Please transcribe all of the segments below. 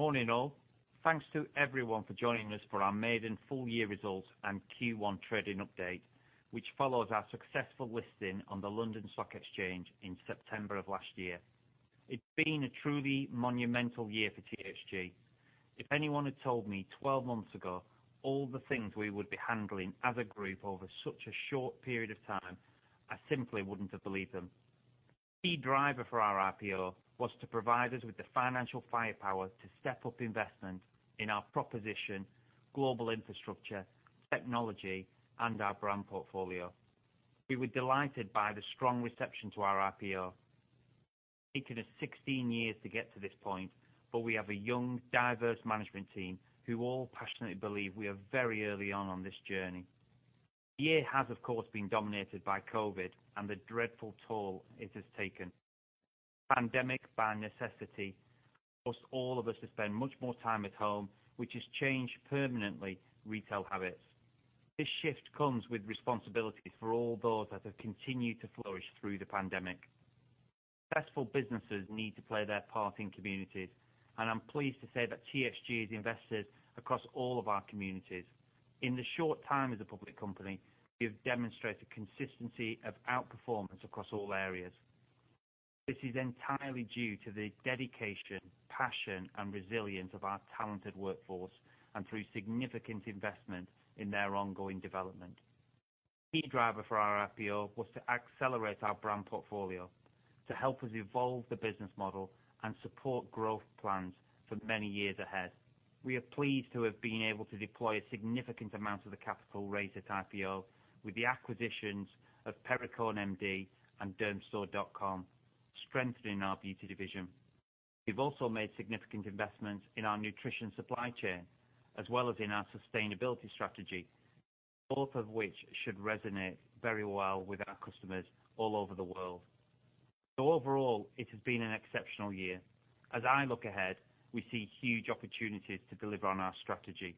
Morning, all. Thanks to everyone for joining us for our maiden full year results and Q1 trading update, which follows our successful listing on the London Stock Exchange in September of last year. It's been a truly monumental year for THG. If anyone had told me 12-months ago all the things we would be handling as a group over such a short period of time, I simply wouldn't have believed them. Key driver for our IPO was to provide us with the financial firepower to step up investment in our proposition, global infrastructure, technology, and our brand portfolio. We were delighted by the strong reception to our IPO. It's taken us 16-years to get to this point, but we have a young, diverse management team who all passionately believe we are very early on this journey. The year has, of course, been dominated by COVID and the dreadful toll it has taken. Pandemic, by necessity, forced all of us to spend much more time at home, which has changed permanently retail habits. This shift comes with responsibilities for all those that have continued to flourish through the pandemic. Successful businesses need to play their part in communities, and I'm pleased to say that THG has invested across all of our communities. In the short time as a public company, we have demonstrated consistency of outperformance across all areas. This is entirely due to the dedication, passion and resilience of our talented workforce and through significant investment in their ongoing development. Key driver for our IPO was to accelerate our brand portfolio to help us evolve the business model and support growth plans for many years ahead. We are pleased to have been able to deploy a significant amount of the capital raised at IPO with the acquisitions of Perricone MD and Dermstore.com, strengthening our beauty division. We've also made significant investments in our nutrition supply chain as well as in our sustainability strategy, both of which should resonate very well with our customers all over the world. Overall, it has been an exceptional year. As I look ahead, we see huge opportunities to deliver on our strategy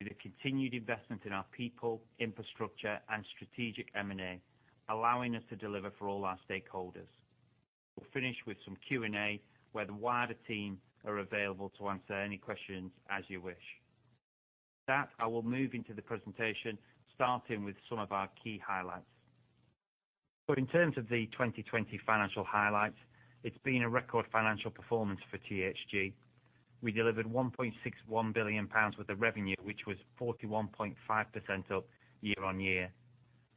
with a continued investment in our people, infrastructure and strategic M&A allowing us to deliver for all our stakeholders. We'll finish with some Q&A where the wider team are available to answer any questions as you wish. With that, I will move into the presentation, starting with some of our key highlights. In terms of the 2020 financial highlights, it's been a record financial performance for THG. We delivered 1.61 billion pounds worth of revenue, which was 41.5% up year-on-year.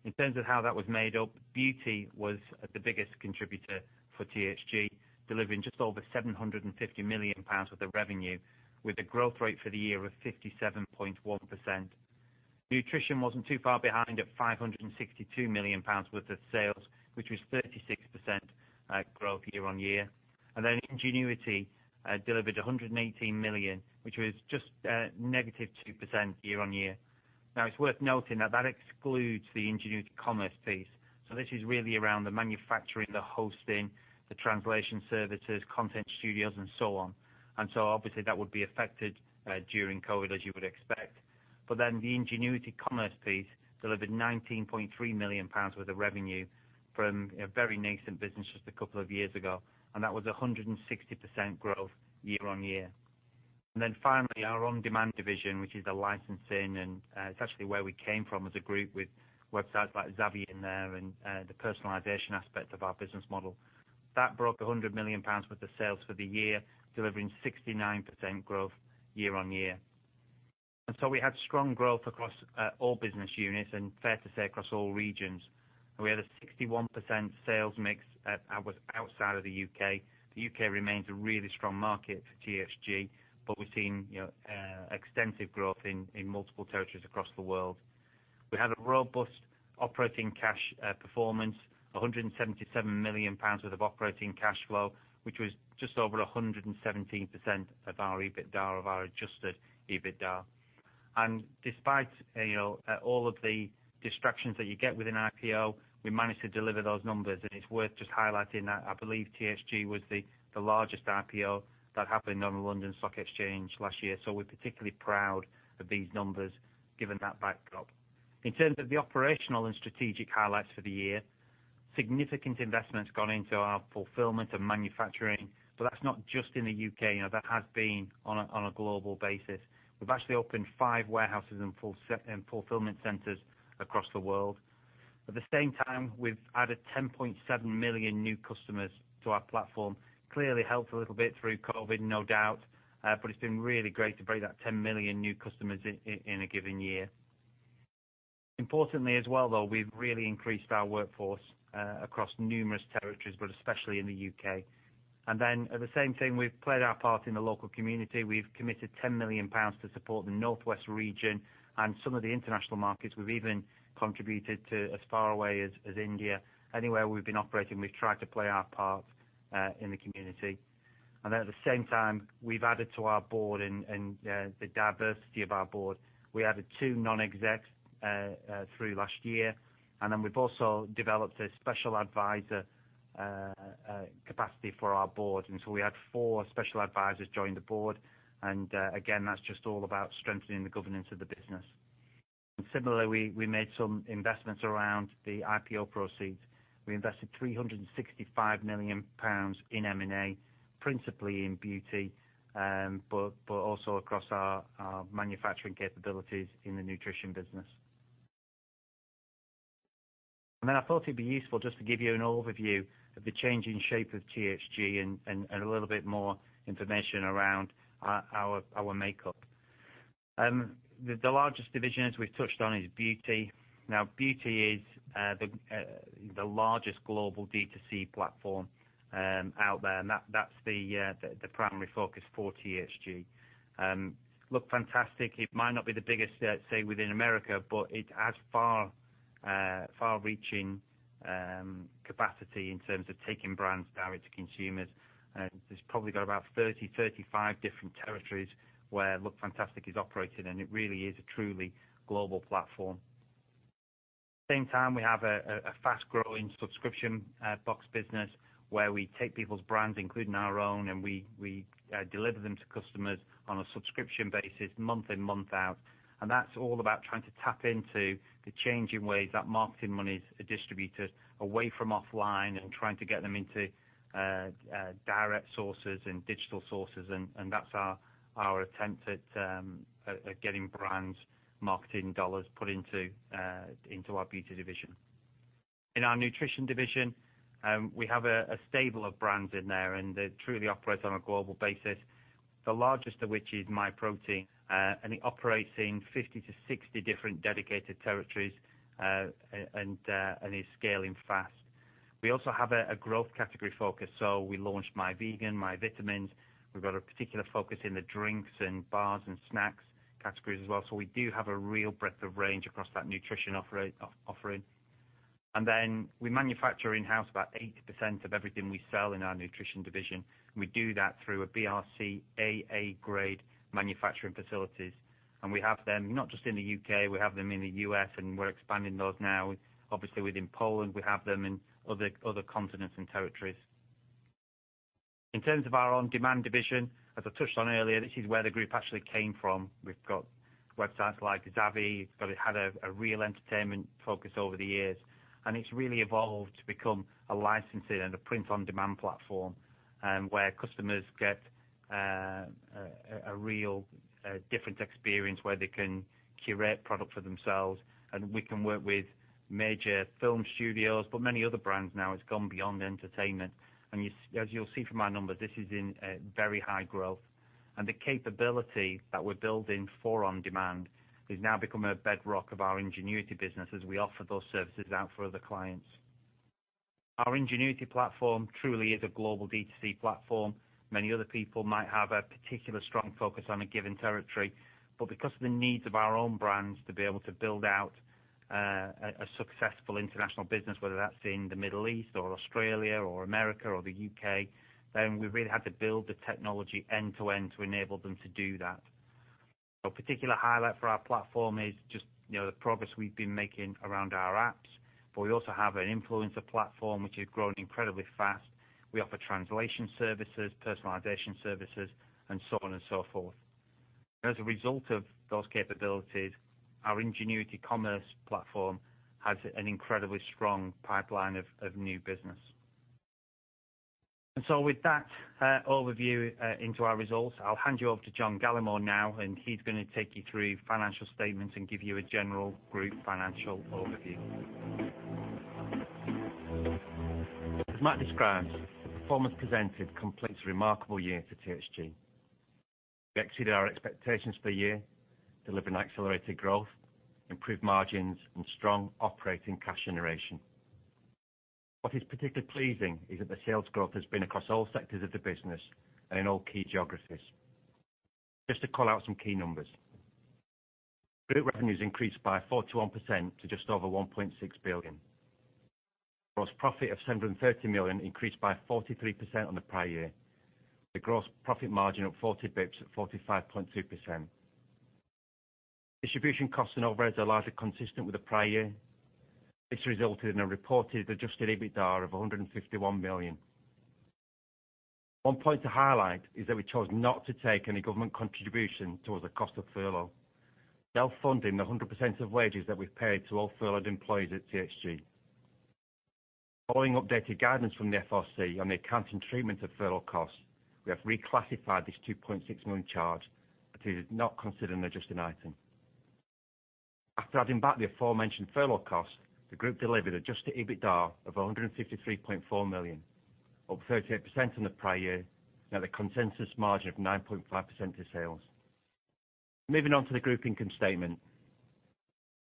In terms of how that was made up, Beauty was the biggest contributor for THG, delivering just over 750 million pounds worth of revenue with a growth rate for the year of 57.1%. Nutrition wasn't too far behind at 562 million pounds worth of sales, which was 36% growth year-on-year. Ingenuity delivered 118 million, which was just -2% year-on-year. Now, it's worth noting that that excludes the Ingenuity Commerce piece. This is really around the manufacturing, the hosting, the translation services, content studios and so on. Obviously that would be affected during COVID, as you would expect. The Ingenuity Commerce piece delivered 19.3 million pounds worth of revenue from a very nascent business just a couple of years ago, and that was 160% growth year-on-year. Finally, our OnDemand division, which is the licensing, and it's actually where we came from as a group with websites like Zavvi in there and the personalization aspect of our business model. That broke 100 million pounds worth of sales for the year, delivering 69% growth year-on-year. We had strong growth across all business units and fair to say, across all regions. We had a 61% sales mix that was outside of the U.K. The U.K. remains a really strong market for THG, but we've seen extensive growth in multiple territories across the world. We had a robust operating cash performance, 177 million pounds worth of operating cash flow, which was just over 117% of our EBITDA, of our adjusted EBITDA. Despite all of the distractions that you get with an IPO, we managed to deliver those numbers. It's worth just highlighting that I believe THG was the largest IPO that happened on the London Stock Exchange last year. We're particularly proud of these numbers given that backdrop. In terms of the operational and strategic highlights for the year, significant investments gone into our fulfillment and manufacturing. That's not just in the U.K., that has been on a global basis. We've actually opened five warehouses and fulfillment centers across the world. At the same time, we've added 10.7 million new customers to our platform. Clearly helped a little bit through COVID, no doubt, but it's been really great to bring that 10 million new customers in in a given year. Importantly as well, though, we've really increased our workforce across numerous territories, but especially in the U.K. Then at the same time, we've played our part in the local community. We've committed 10 million pounds to support the Northwest region and some of the international markets we've even contributed to as far away as India. Anywhere we've been operating, we've tried to play our part in the community. At the same time, we've added to our board and the diversity of our board. We added two non-exec through last year, we've also developed a special advisor capacity for our board. We had four special advisors join the board. That's just all about strengthening the governance of the business. Similarly, we made some investments around the IPO proceeds. We invested 365 million pounds in M&A, principally in Beauty, but also across our manufacturing capabilities in the Nutrition business. I thought it'd be useful just to give you an overview of the changing shape of THG and a little bit more information around our makeup. The largest division, as we've touched on, is Beauty. Now, Beauty is the largest global D2C platform out there, and that's the primary focus for THG. Lookfantastic, it might not be the biggest, say, within America, but it has far-reaching capacity in terms of taking brands direct to consumers. It's probably got about 30, 35 different territories where Lookfantastic is operating, it really is a truly global platform. At the same time, we have a fast-growing subscription box business where we take people's brands, including our own, and we deliver them to customers on a subscription basis month in, month out. That's all about trying to tap into the changing ways that marketing monies are distributed away from offline and trying to get them into direct sources and digital sources, that's our attempt at getting brands marketing dollars put into our Beauty division. In our nutrition division, we have a stable of brands in there. They truly operate on a global basis, the largest of which is Myprotein. It operates in 50-60 different dedicated territories and is scaling fast. We also have a growth category focus. We launched Myvegan, Myvitamins. We've got a particular focus in the drinks and bars and snacks categories as well. We do have a real breadth of range across that nutrition offering. Then we manufacture in-house about 80% of everything we sell in our nutrition division. We do that through a BRC AA Grade manufacturing facilities. We have them not just in the U.K., we have them in the U.S., and we're expanding those now. Obviously, within Poland, we have them in other continents and territories. In terms of our OnDemand division, as I touched on earlier, this is where the group actually came from. We've got websites like Zavvi. It had a real entertainment focus over the years, and it's really evolved to become a licensing and a print-on-demand platform, where customers get a real different experience where they can curate product for themselves, and we can work with major film studios, but many other brands now. It's gone beyond entertainment. As you'll see from our numbers, this is in very high growth. The capability that we're building for OnDemand has now become a bedrock of our Ingenuity business as we offer those services out for other clients. Our Ingenuity platform truly is a global D2C platform. Many other people might have a particular strong focus on a given territory, but because of the needs of our own brands to be able to build out a successful international business, whether that's in the Middle East or Australia or America or the U.K., then we really had to build the technology end to end to enable them to do that. A particular highlight for our platform is just the progress we've been making around our apps, but we also have an influencer platform, which has grown incredibly fast. We offer translation services, personalization services, and so on and so forth. As a result of those capabilities, our Ingenuity Commerce Platform has an incredibly strong pipeline of new business. With that overview into our results, I'll hand you over to John Gallemore now, and he's going to take you through financial statements and give you a general group financial overview. As Matt described, the performance presented completes a remarkable year for THG. We exceeded our expectations for the year, delivering accelerated growth, improved margins and strong operating cash generation. What is particularly pleasing is that the sales growth has been across all sectors of the business and in all key geographies. Just to call out some key numbers. Group revenues increased by 41% to just over 1.6 billion. Gross profit of 730 million increased by 43% on the prior year, with gross profit margin up 40 basis points at 45.2%. Distribution costs and overheads are largely consistent with the prior year. This resulted in a reported adjusted EBITDA of 151 million. One point to highlight is that we chose not to take any government contribution towards the cost of furlough, self-funding the 100% of wages that we've paid to all furloughed employees at THG. Following updated guidance from the FRC on the accounting treatment of furlough costs, we have reclassified this 2.6 million charge that is not considered an adjusting item. After adding back the aforementioned furlough cost, the group delivered adjusted EBITDA of 153.4 million, up 38% on the prior year, and at a consensus margin of 9.5% of sales. Moving on to the group income statement.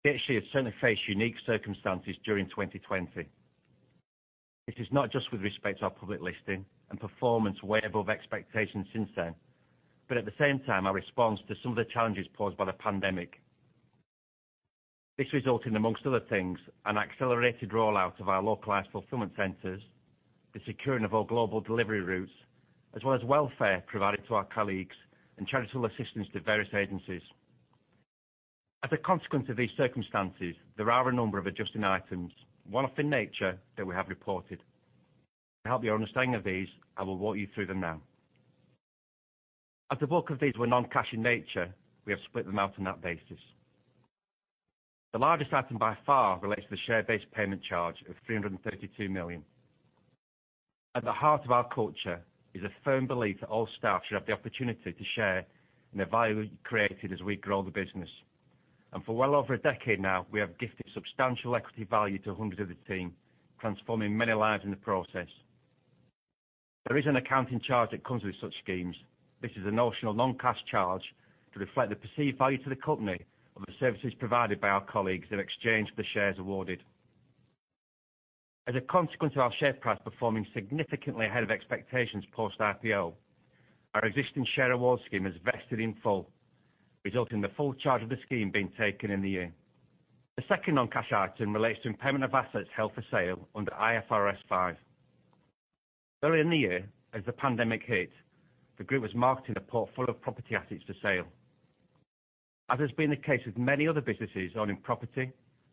THG has certainly faced unique circumstances during 2020. This is not just with respect to our public listing and performance way above expectations since then, but at the same time, our response to some of the challenges posed by the pandemic. This resulted, amongst other things, an accelerated rollout of our localized fulfillment centers, the securing of our global delivery routes, as well as welfare provided to our colleagues and charitable assistance to various agencies. As a consequence of these circumstances, there are a number of adjusting items, one-off in nature, that we have reported. To help your understanding of these, I will walk you through them now. As the bulk of these were non-cash in nature, we have split them out on that basis. The largest item by far relates to the share-based payment charge of 332 million. At the heart of our culture is a firm belief that all staff should have the opportunity to share in the value created as we grow the business. For well over a decade now, we have gifted substantial equity value to hundreds of the team, transforming many lives in the process. There is an accounting charge that comes with such schemes. This is a notional non-cash charge to reflect the perceived value to the company of the services provided by our colleagues in exchange for the shares awarded. As a consequence of our share price performing significantly ahead of expectations post IPO, our existing share award scheme is vested in full, resulting in the full charge of the scheme being taken in the year. The second non-cash item relates to impairment of assets held for sale under IFRS 5. Early in the year, as the pandemic hit, the group was marketing a portfolio of property assets for sale. As has been the case with many other businesses owning property,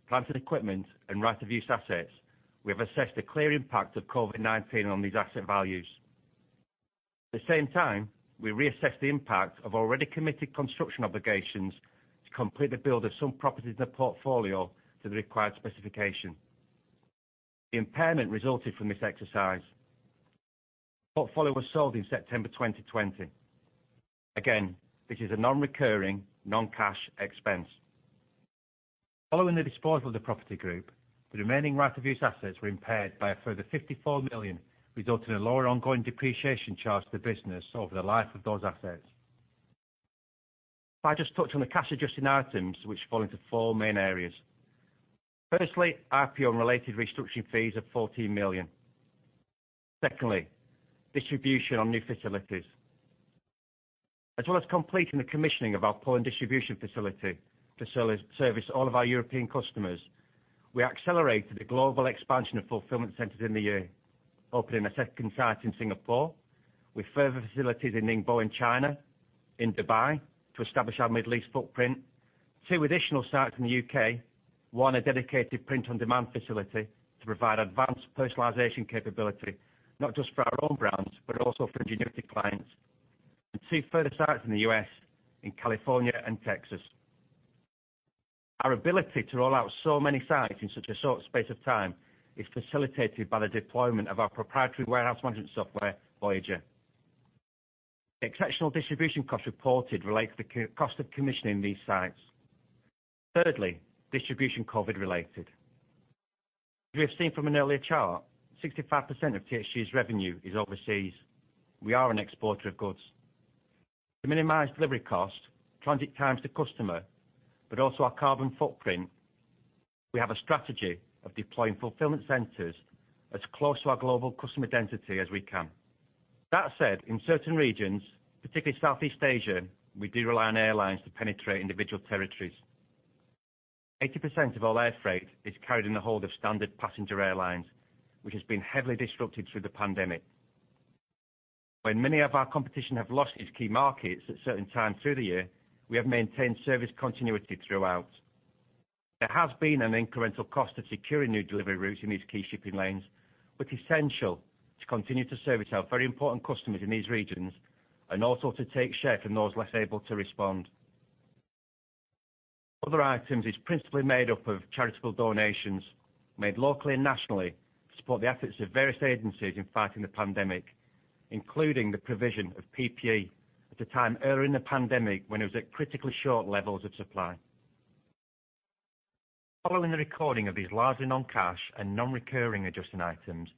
plant and equipment, and right of use assets, we have assessed the clear impact of COVID-19 on these asset values. At the same time, we reassessed the impact of already committed construction obligations to complete the build of some properties in the portfolio to the required specification. The impairment resulted from this exercise. The portfolio was sold in September 2020. Again, this is a non-recurring, non-cash expense. Following the disposal of the property group, the remaining right of use assets were impaired by a further 54 million, resulting in lower ongoing depreciation charged to the business over the life of those assets. If I just touch on the cash adjusting items which fall into four main areas. Firstly, IPO and related restructuring fees of 14 million. Secondly, distribution on new facilities. As well as completing the commissioning of our Poland distribution facility to service all of our European customers, we accelerated the global expansion of fulfillment centers in the year, opening a second site in Singapore with further facilities in Ningbo in China, in Dubai to establish our Middle East footprint. Two additional sites in the U.K., one a dedicated print on demand facility to provide advanced personalization capability not just for our own brands, but also for Ingenuity clients, and two further sites in the U.S., in California and Texas. Our ability to roll out so many sites in such a short space of time is facilitated by the deployment of our proprietary warehouse management software, Voyager. The exceptional distribution costs reported relate to the cost of commissioning these sites. Thirdly, distribution COVID related. As we have seen from an earlier chart, 65% of THG's revenue is overseas. We are an exporter of goods. To minimize delivery cost, transit times to customer, but also our carbon footprint, we have a strategy of deploying fulfillment centers as close to our global customer density as we can. That said, in certain regions, particularly Southeast Asia, we do rely on airlines to penetrate individual territories. 80% of all air freight is carried in the hold of standard passenger airlines, which has been heavily disrupted through the pandemic. When many of our competition have lost its key markets at certain times through the year, we have maintained service continuity throughout. There has been an incremental cost of securing new delivery routes in these key shipping lanes, but essential to continue to service our very important customers in these regions and also to take share from those less able to respond. Other items is principally made up of charitable donations made locally and nationally to support the efforts of various agencies in fighting the pandemic, including the provision of PPE at a time early in the pandemic when it was at critically short levels of supply. Following the recording of these largely non-cash and non-recurring adjusting items,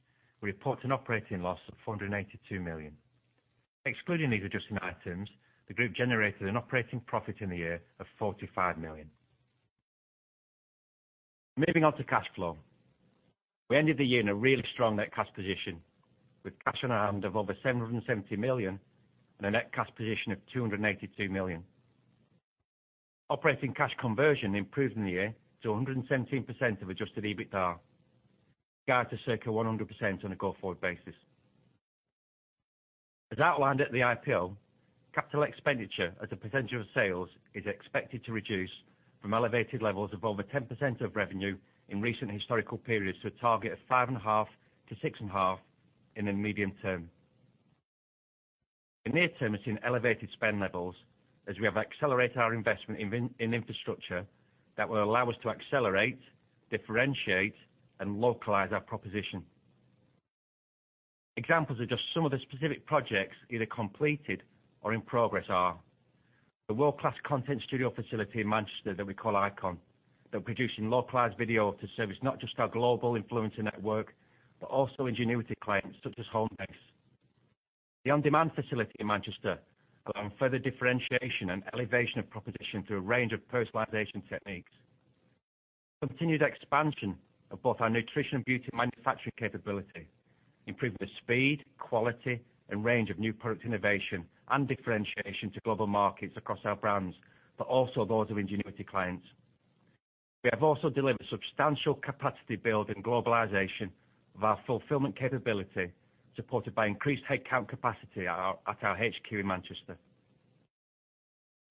we report an operating loss of 482 million. Excluding these adjusting items, the group generated an operating profit in the year of 45 million. Moving on to cash flow. We ended the year in a really strong net cash position with cash on hand of over 770 million and a net cash position of 282 million. Operating cash conversion improved in the year to 117% of adjusted EBITDA. Guide to circa 100% on a go-forward basis. As outlined at the IPO, capital expenditure as a percentage of sales is expected to reduce from elevated levels of over 10% of revenue in recent historical periods to a target of 5.5%-6.5% in the medium term. The near term has seen elevated spend levels as we have accelerated our investment in infrastructure that will allow us to accelerate, differentiate, and localize our proposition. Examples of just some of the specific projects either completed or in progress are a world-class content studio facility in Manchester that we call Icon. They're producing localized video to service not just our global influencer network, but also Ingenuity clients such as Homebase. The OnDemand facility in Manchester will allow further differentiation and elevation of proposition through a range of personalization techniques. Continued expansion of both our nutrition and beauty manufacturing capability, improving the speed, quality, and range of new product innovation and differentiation to global markets across our brands, but also those of Ingenuity clients. We have also delivered substantial capacity build and globalization of our fulfillment capability, supported by increased headcount capacity at our HQ in Manchester.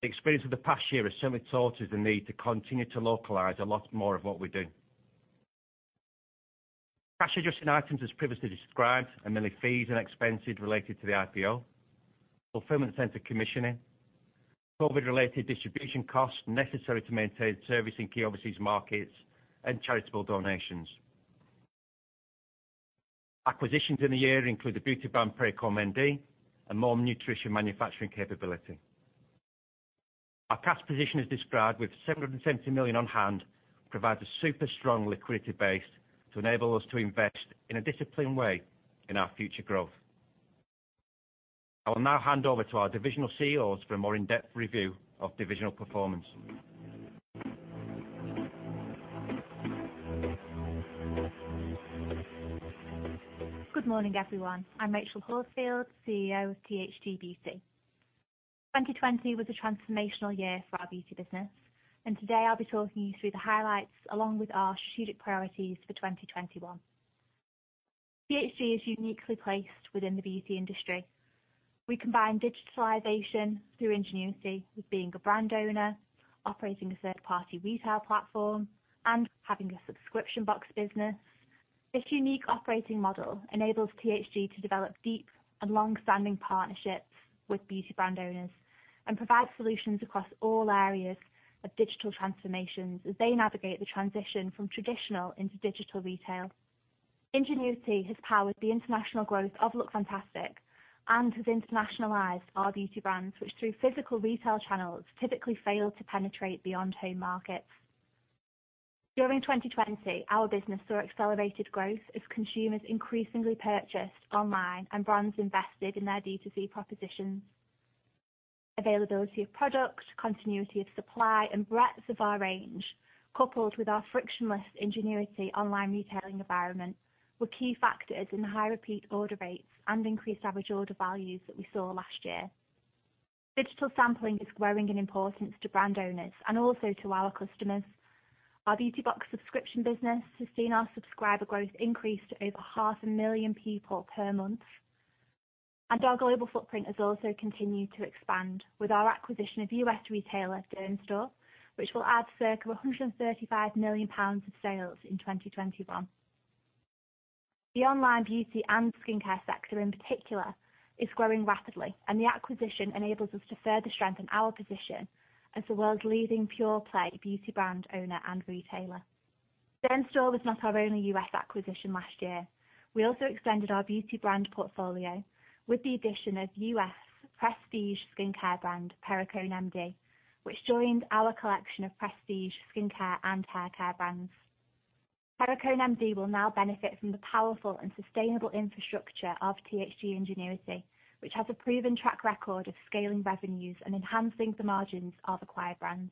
The experience of the past year has certainly taught us the need to continue to localize a lot more of what we do. Cash adjusting items as previously described are mainly fees and expenses related to the IPO, fulfillment center commissioning, COVID-related distribution costs necessary to maintain service in key overseas markets, and charitable donations. Acquisitions in the year include the beauty brand Perricone MD and more nutrition manufacturing capability. Our cash position, as described, with 770 million on hand, provides a super strong liquidity base to enable us to invest in a disciplined way in our future growth. I will now hand over to our divisional CEOs for a more in-depth review of divisional performance. Good morning, everyone. I'm Rachel Horsefield, CEO of THG Beauty. 2020 was a transformational year for our beauty business, and today I'll be talking you through the highlights along with our strategic priorities for 2021. THG is uniquely placed within the beauty industry. We combine digitalization through Ingenuity with being a brand owner, operating a third-party retail platform, and having a subscription box business. This unique operating model enables THG to develop deep and long-standing partnerships with beauty brand owners and provide solutions across all areas of digital transformations as they navigate the transition from traditional into digital retail. Ingenuity has powered the international growth of Lookfantastic and has internationalized our beauty brands, which through physical retail channels, typically fail to penetrate beyond home markets. During 2020, our business saw accelerated growth as consumers increasingly purchased online and brands invested in their D2C propositions. Availability of product, continuity of supply, and breadth of our range, coupled with our frictionless THG Ingenuity online retailing environment, were key factors in the high repeat order rates and increased average order values that we saw last year. Digital sampling is growing in importance to brand owners and also to our customers. Our beauty box subscription business has seen our subscriber growth increase to over 500,000 people per month, and our global footprint has also continued to expand with our acquisition of U.S. retailer, Dermstore, which will add circa 135 million pounds of sales in 2021. The online beauty and skincare sector in particular, is growing rapidly, and the acquisition enables us to further strengthen our position as the world's leading pure play beauty brand owner and retailer. Dermstore was not our only U.S. acquisition last year. We also extended our beauty brand portfolio with the addition of U.S. prestige skincare brand, Perricone MD, which joined our collection of prestige skincare and haircare brands. Perricone MD will now benefit from the powerful and sustainable infrastructure of THG Ingenuity, which has a proven track record of scaling revenues and enhancing the margins of acquired brands.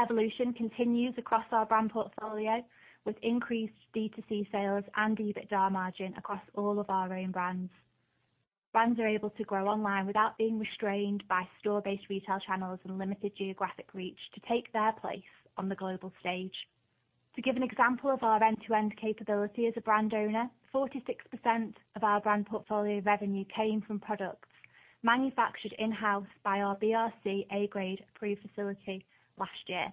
Evolution continues across our brand portfolio with increased D2C sales and EBITDA margin across all of our own brands. Brands are able to grow online without being restrained by store-based retail channels and limited geographic reach to take their place on the global stage. To give an example of our end-to-end capability as a brand owner, 46% of our brand portfolio revenue came from products manufactured in-house by our BRC A grade approved facility last year.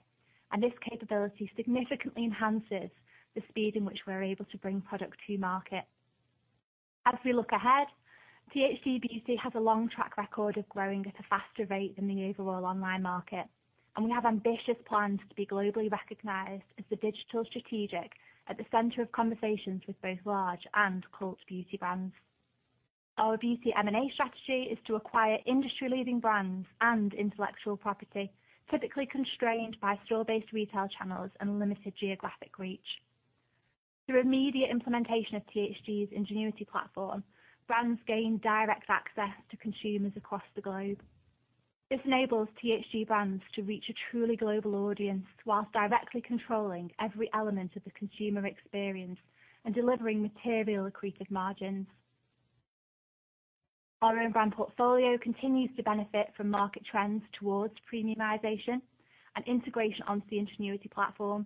This capability significantly enhances the speed in which we're able to bring product to market. As we look ahead, THG Beauty has a long track record of growing at a faster rate than the overall online market, and we have ambitious plans to be globally recognized as the digital strategic at the center of conversations with both large and cult beauty brands. Our beauty M&A strategy is to acquire industry-leading brands and intellectual property, typically constrained by store-based retail channels and limited geographic reach. Through immediate implementation of THG's Ingenuity platform, brands gain direct access to consumers across the globe. This enables THG brands to reach a truly global audience whilst directly controlling every element of the consumer experience and delivering material accretive margins. Our own brand portfolio continues to benefit from market trends towards premiumization and integration onto the Ingenuity platform.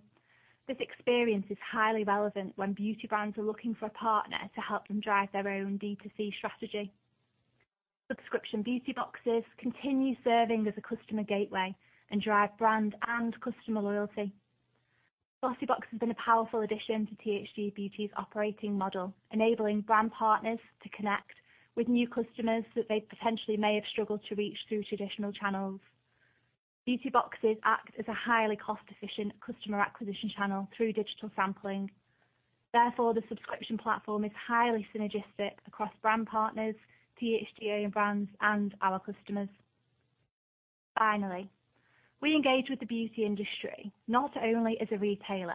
This experience is highly relevant when beauty brands are looking for a partner to help them drive their own D2C strategy. Subscription beauty boxes continue serving as a customer gateway and drive brand and customer loyalty. GLOSSYBOX has been a powerful addition to THG Beauty's operating model, enabling brand partners to connect with new customers that they potentially may have struggled to reach through traditional channels. Beauty boxes act as a highly cost-efficient customer acquisition channel through digital sampling. Therefore, the subscription platform is highly synergistic across brand partners, THG owned brands, and our customers. Finally, we engage with the beauty industry not only as a retailer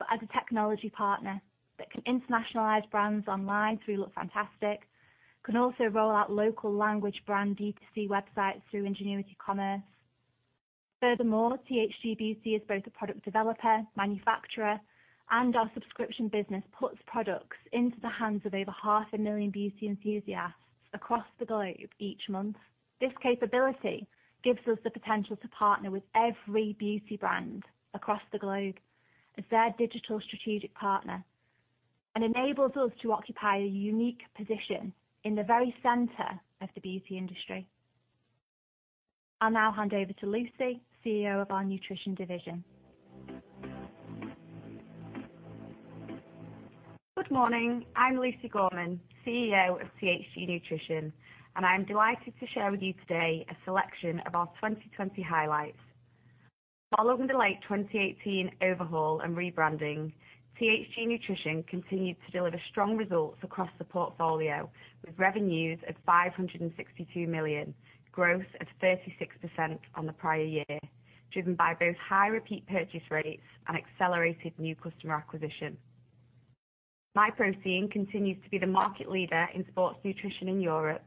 but as a technology partner that can internationalize brands online through Lookfantastic, can also roll out local language brand D2C websites through THG Commerce. THG Beauty is both a product developer, manufacturer, and our subscription business puts products into the hands of over half a million beauty enthusiasts across the globe each month. This capability gives us the potential to partner with every beauty brand across the globe as their digital strategic partner and enables us to occupy a unique position in the very center of the beauty industry. I'll now hand over to Lucy, CEO of our Nutrition division. Good morning. I'm Lucy Gorman, CEO of THG Nutrition, and I'm delighted to share with you today a selection of our 2020 highlights. Following the late 2018 overhaul and rebranding, THG Nutrition continued to deliver strong results across the portfolio with revenues of 562 million, growth of 36% on the prior year, driven by both high repeat purchase rates and accelerated new customer acquisition. Myprotein continues to be the market leader in sports nutrition in Europe,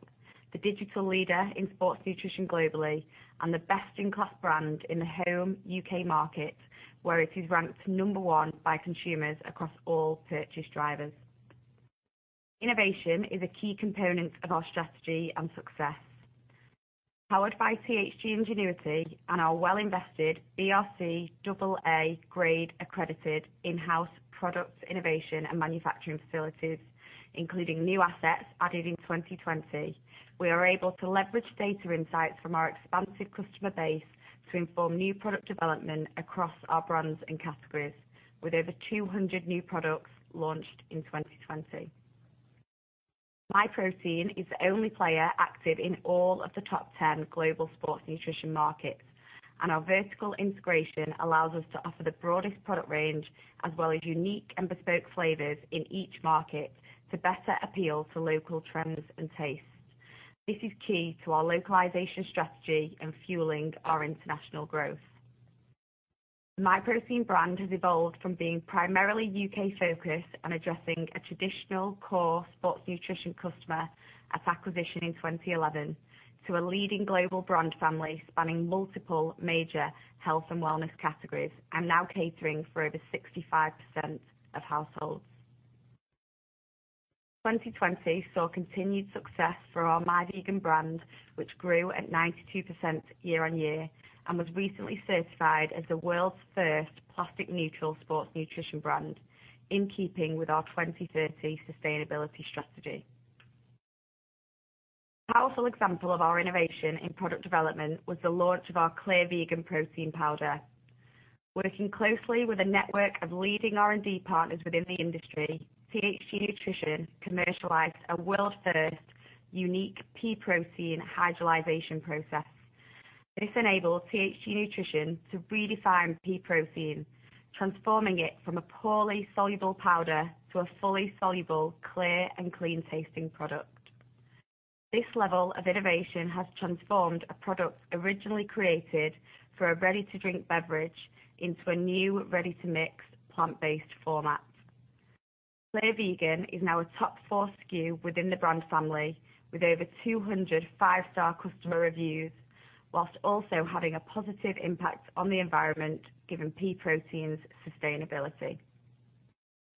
the digital leader in sports nutrition globally, and the best-in-class brand in the home U.K. market, where it is ranked number one by consumers across all purchase drivers. Innovation is a key component of our strategy and success. Powered by THG Ingenuity and our well-invested BRCGS Grade AA accredited in-house products, innovation, and manufacturing facilities, including new assets added in 2020, we are able to leverage data insights from our expansive customer base to inform new product development across our brands and categories with over 200 new products launched in 2020. Myprotein is the only player active in all of the top 10 global sports nutrition markets, and our vertical integration allows us to offer the broadest product range as well as unique and bespoke flavors in each market to better appeal to local trends and tastes. This is key to our localization strategy and fueling our international growth. Myprotein brand has evolved from being primarily U.K.-focused and addressing a traditional core sports nutrition customer at acquisition in 2011 to a leading global brand family spanning multiple major health and wellness categories and now catering for over 65% of households. 2020 saw continued success for our Myvegan brand, which grew at 92% year-on-year and was recently certified as the world's first plastic neutral sports nutrition brand in keeping with our 2030 sustainability strategy. A powerful example of our innovation in product development was the launch of our clear vegan protein powder. Working closely with a network of leading R&D partners within the industry, THG Nutrition commercialized a world-first unique pea protein hydrolysation process. This enabled THG Nutrition to redefine pea protein, transforming it from a poorly soluble powder to a fully soluble, clear, and clean-tasting product. This level of innovation has transformed a product originally created for a ready-to-drink beverage into a new ready-to-mix plant-based format. Myvegan is now a top 4 SKU within the brand family with over 200 five-star customer reviews, while also having a positive impact on the environment given pea protein's sustainability.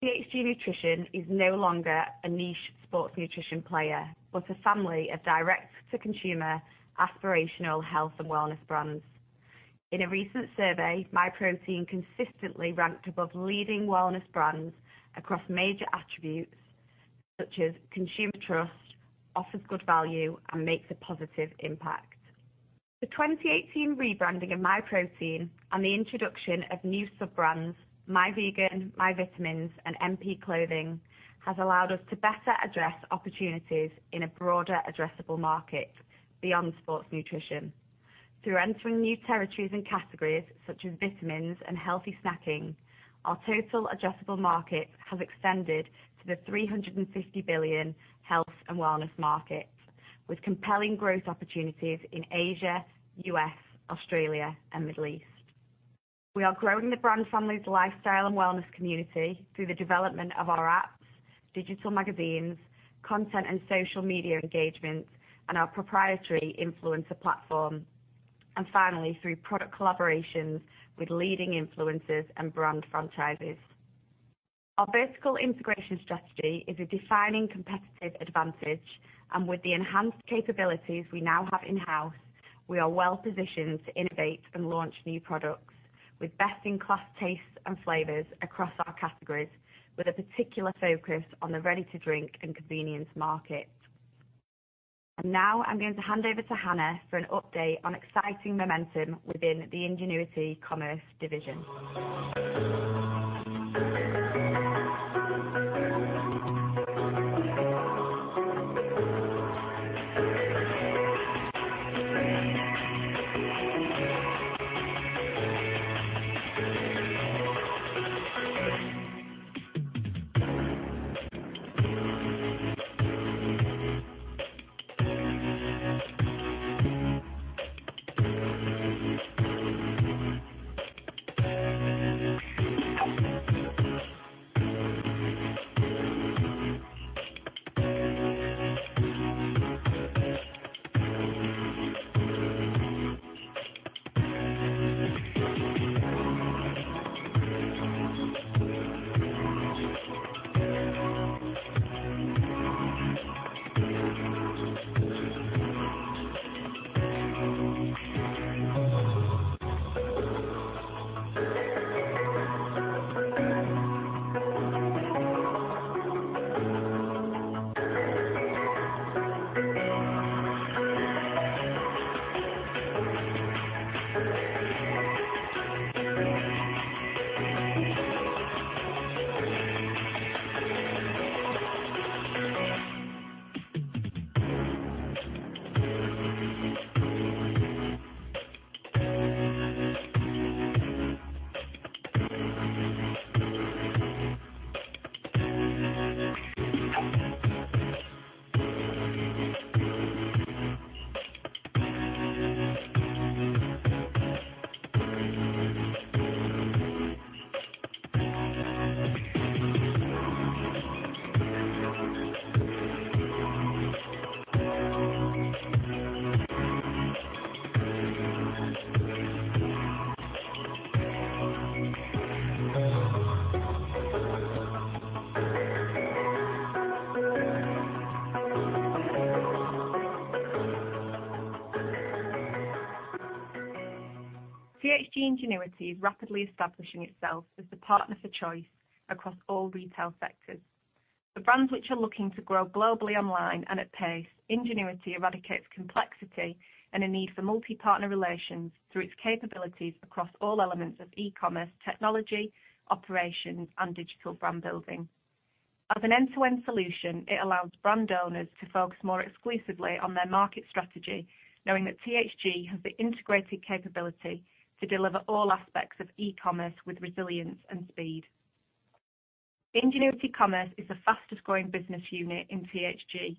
THG Nutrition is no longer a niche sports nutrition player, but a family of direct-to-consumer aspirational health and wellness brands. In a recent survey, Myprotein consistently ranked above leading wellness brands across major attributes such as consumer trust, offers good value, and makes a positive impact. The 2018 rebranding of Myprotein and the introduction of new sub-brands, Myvegan, Myvitamins, and MP Activewear, has allowed us to better address opportunities in a broader addressable market beyond sports nutrition. Through entering new territories and categories such as vitamins and healthy snacking, our total addressable market has extended to the 350 billion health and wellness market with compelling growth opportunities in Asia, U.S., Australia, and Middle East. We are growing the brand family's lifestyle and wellness community through the development of our apps, digital magazines, content and social media engagements, and our proprietary influencer platform. Finally, through product collaborations with leading influencers and brand franchises. Our vertical integration strategy is a defining competitive advantage, and with the enhanced capabilities we now have in-house, we are well positioned to innovate and launch new products with best-in-class tastes and flavors across our categories with a particular focus on the ready-to-drink and convenience market. Now I'm going to hand over to Hannah for an update on exciting momentum within the THG Commerce division. THG Ingenuity is rapidly establishing itself as the partner for choice across all retail sectors. For brands which are looking to grow globally online and at pace, Ingenuity eradicates complexity and a need for multi-partner relations through its capabilities across all elements of e-commerce, technology, operations, and digital brand building. As an end-to-end solution, it allows brand owners to focus more exclusively on their market strategy, knowing that THG has the integrated capability to deliver all aspects of e-commerce with resilience and speed. THG Commerce is the fastest growing business unit in THG.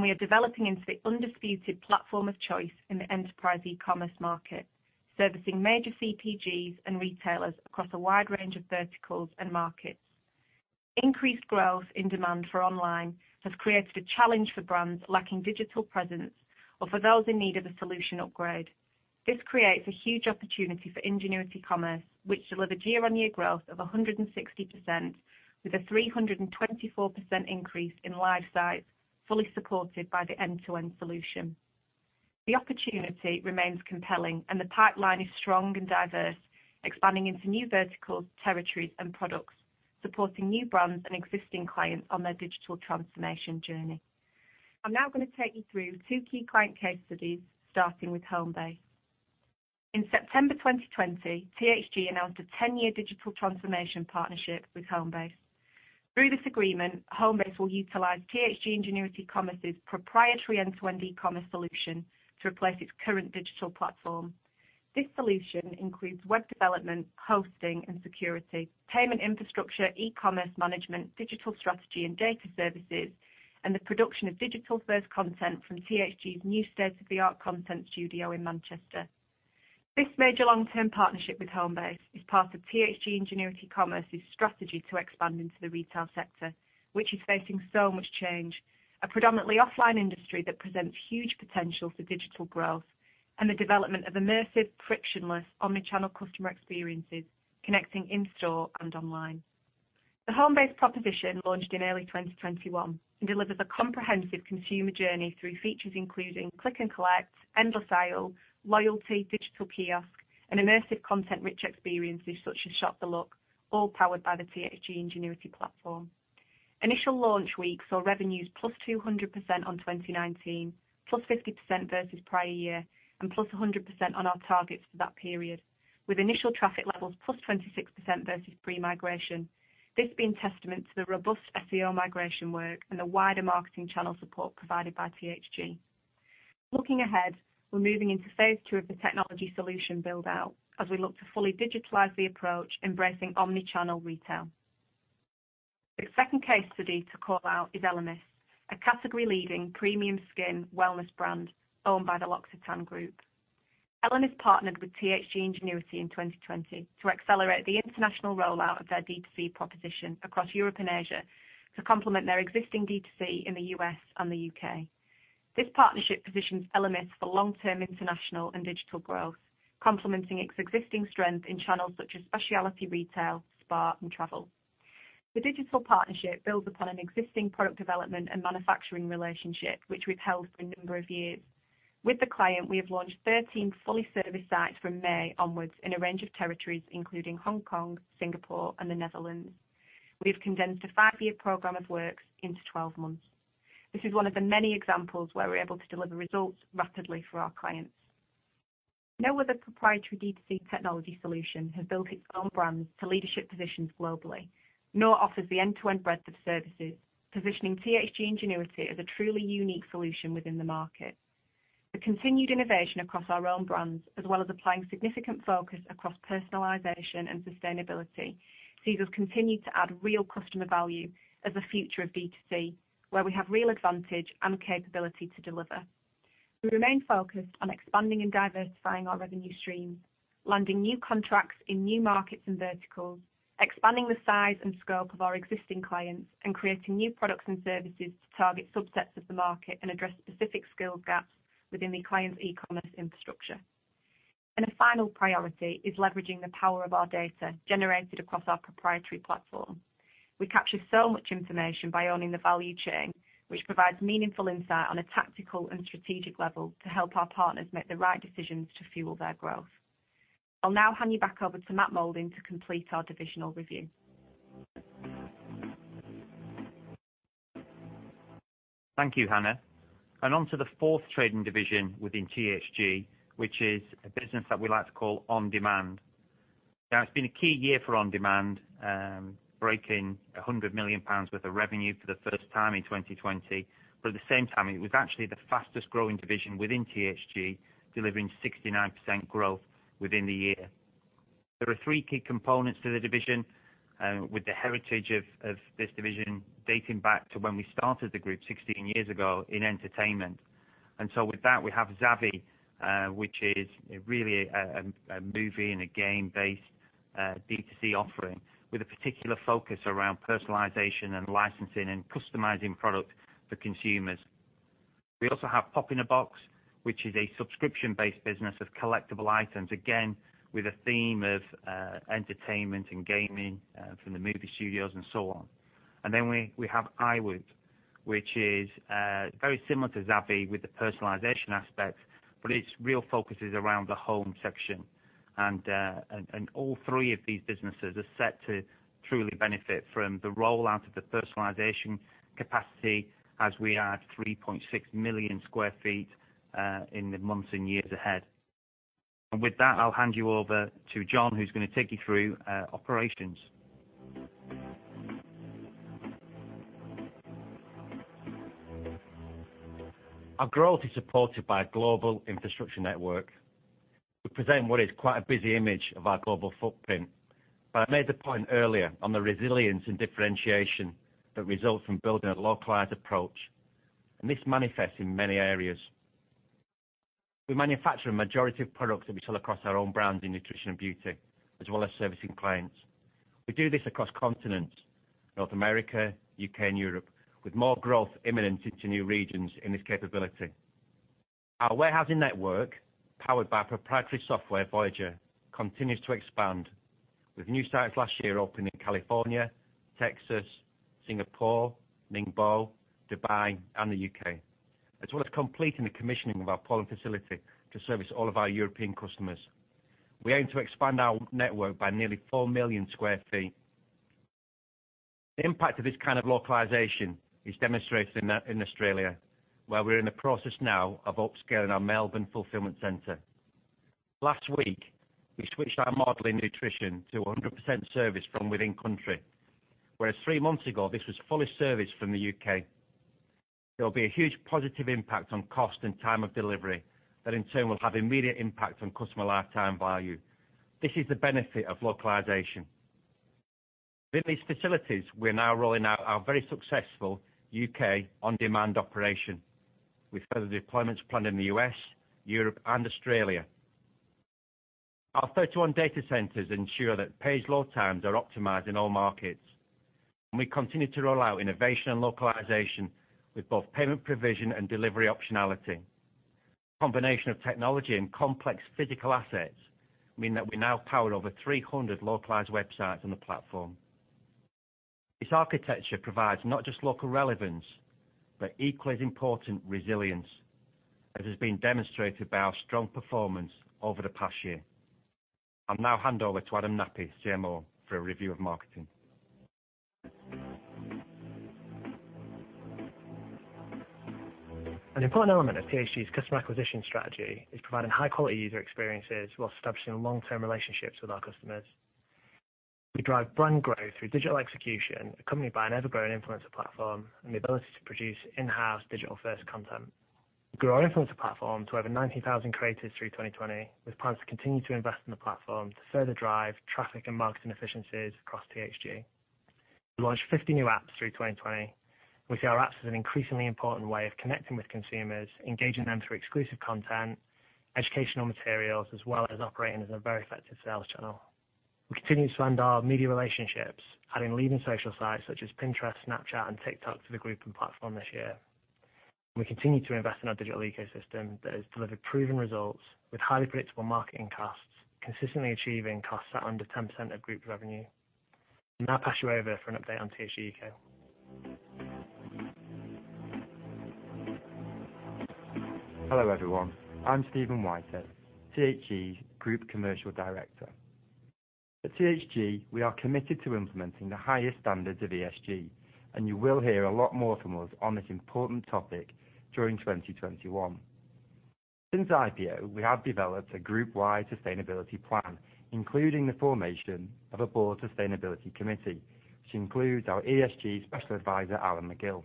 We are developing into the undisputed platform of choice in the enterprise e-commerce market, servicing major CPGs and retailers across a wide range of verticals and markets. Increased growth in demand for online has created a challenge for brands lacking digital presence or for those in need of a solution upgrade. This creates a huge opportunity for THG Commerce, which delivered year-on-year growth of 160%, with a 324% increase in live sites, fully supported by the end-to-end solution. The opportunity remains compelling and the pipeline is strong and diverse, expanding into new verticals, territories, and products, supporting new brands and existing clients on their digital transformation journey. I'm now going to take you through two key client case studies, starting with Homebase. In September 2020, THG announced a 10-year digital transformation partnership with Homebase. Through this agreement, Homebase will utilize THG Commerce's proprietary end-to-end e-commerce solution to replace its current digital platform. This solution includes web development, hosting and security, payment infrastructure, e-commerce management, digital strategy and data services, and the production of digital-first content from THG's new state-of-the-art content studio in Manchester. This major long-term partnership with Homebase is part of THG Commerce's strategy to expand into the retail sector, which is facing so much change. A predominantly offline industry that presents huge potential for digital growth and the development of immersive, frictionless, omni-channel customer experiences connecting in-store and online. The Homebase proposition launched in early 2021 and delivers a comprehensive consumer journey through features including click and collect, endless aisle, loyalty, digital kiosk, and immersive content-rich experiences such as Shop The Look, all powered by the THG Ingenuity platform. Initial launch week saw revenues plus 200% on 2019, plus 50% versus prior year, and plus 100% on our targets for that period, with initial traffic levels plus 26% versus pre-migration. This being testament to the robust SEO migration work and the wider marketing channel support provided by THG. Looking ahead, we're moving into phase II of the technology solution build-out as we look to fully digitalize the approach, embracing omni-channel retail. The second case study to call out is ELEMIS, a category leading premium skin wellness brand owned by the L'OCCITANE Group. ELEMIS partnered with THG Ingenuity in 2020 to accelerate the international rollout of their D2C proposition across Europe and Asia to complement their existing D2C in the U.S. and the U.K. This partnership positions ELEMIS for long-term international and digital growth, complementing its existing strength in channels such as specialty retail, spa, and travel. The digital partnership builds upon an existing product development and manufacturing relationship, which we've held for a number of years. With the client, we have launched 13 fully serviced sites from May onwards in a range of territories, including Hong Kong, Singapore, and the Netherlands. We've condensed a five-year program of works into 12-months. This is one of the many examples where we're able to deliver results rapidly for our clients. No other proprietary D2C technology solution has built its own brands to leadership positions globally, nor offers the end-to-end breadth of services, positioning THG Ingenuity as a truly unique solution within the market. The continued innovation across our own brands, as well as applying significant focus across personalization and sustainability, sees us continue to add real customer value as a future of D2C, where we have real advantage and capability to deliver. We remain focused on expanding and diversifying our revenue stream, landing new contracts in new markets and verticals, expanding the size and scope of our existing clients, and creating new products and services to target subsets of the market and address specific skills gaps within the client's e-commerce infrastructure. A final priority is leveraging the power of our data generated across our proprietary platform. We capture so much information by owning the value chain, which provides meaningful insight on a tactical and strategic level to help our partners make the right decisions to fuel their growth. I'll now hand you back over to Matt Moulding to complete our divisional review. Thank you, Hannah. On to the fourth trading division within THG, which is a business that we like to call OnDemand. It's been a key year for OnDemand, breaking 100 million pounds worth of revenue for the first time in 2020. At the same time, it was actually the fastest growing division within THG, delivering 69% growth within the year. There are three key components to the division, with the heritage of this division dating back to when we started the group 16-years ago in entertainment. With that, we have Zavvi, which is really a movie and a game-based B2C offering, with a particular focus around personalization and licensing, and customizing product for consumers. We also have Pop In A Box, which is a subscription-based business of collectible items, again, with a theme of entertainment and gaming from the movie studios and so on. We have IWOOT, which is very similar to Zavvi with the personalization aspect, but its real focus is around the home section. All three of these businesses are set to truly benefit from the rollout of the personalization capacity as we add 3.6 million square feet in the months and years ahead. With that, I'll hand you over to John, who's going to take you through operations. Our growth is supported by a global infrastructure network. We present what is quite a busy image of our global footprint. I made the point earlier on the resilience and differentiation that results from building a localized approach, and this manifests in many areas. We manufacture a majority of products that we sell across our own brands in nutrition and beauty, as well as servicing clients. We do this across continents, North America, U.K., and Europe, with more growth imminent into new regions in this capability. Our warehousing network, powered by proprietary software, Voyager, continues to expand, with new sites last year opening in California, Texas, Singapore, Ningbo, Dubai, and the U.K. As well as completing the commissioning of our Poland facility to service all of our European customers. We aim to expand our network by nearly 4 million sq ft. The impact of this kind of localization is demonstrated in Australia, where we're in the process now of upscaling our Melbourne fulfillment center. Last week, we switched our model in nutrition to 100% service from within country, whereas three months ago, this was fully serviced from the U.K. There will be a huge positive impact on cost and time of delivery that, in turn, will have immediate impact on customer lifetime value. This is the benefit of localization. Within these facilities, we're now rolling out our very successful U.K. OnDemand operation, with further deployments planned in the U.S., Europe and Australia. Our 31 data centers ensure that page load times are optimized in all markets, and we continue to roll out innovation and localization with both payment provision and delivery optionality. Combination of technology and complex physical assets mean that we now power over 300 localized websites on the platform. This architecture provides not just local relevance, but equally as important, resilience, as has been demonstrated by our strong performance over the past year. I'll now hand over to Adam Knappy, CMO, for a review of marketing. An important element of THG's customer acquisition strategy is providing high quality user experiences while establishing long-term relationships with our customers. We drive brand growth through digital execution, accompanied by an ever-growing influencer platform and the ability to produce in-house digital first content. We grew our influencer platform to over 19,000 creators through 2020, with plans to continue to invest in the platform to further drive traffic and marketing efficiencies across THG. We launched 50 new apps through 2020. We see our apps as an increasingly important way of connecting with consumers, engaging them through exclusive content, educational materials, as well as operating as a very effective sales channel. We continue to expand our media relationships, adding leading social sites such as Pinterest, Snapchat, and TikTok to the group and platform this year. We continue to invest in our digital ecosystem that has delivered proven results with highly predictable marketing costs, consistently achieving costs at under 10% of group revenue. I'll now pass you over for an update on THG U.K. Hello, everyone. I'm Steven Whitehead, THG's Group Commercial Director. At THG, we are committed to implementing the highest standards of ESG, and you will hear a lot more from us on this important topic during 2021. Since IPO, we have developed a group-wide sustainability plan, including the formation of a board sustainability committee, which includes our ESG special advisor, Alan McGill.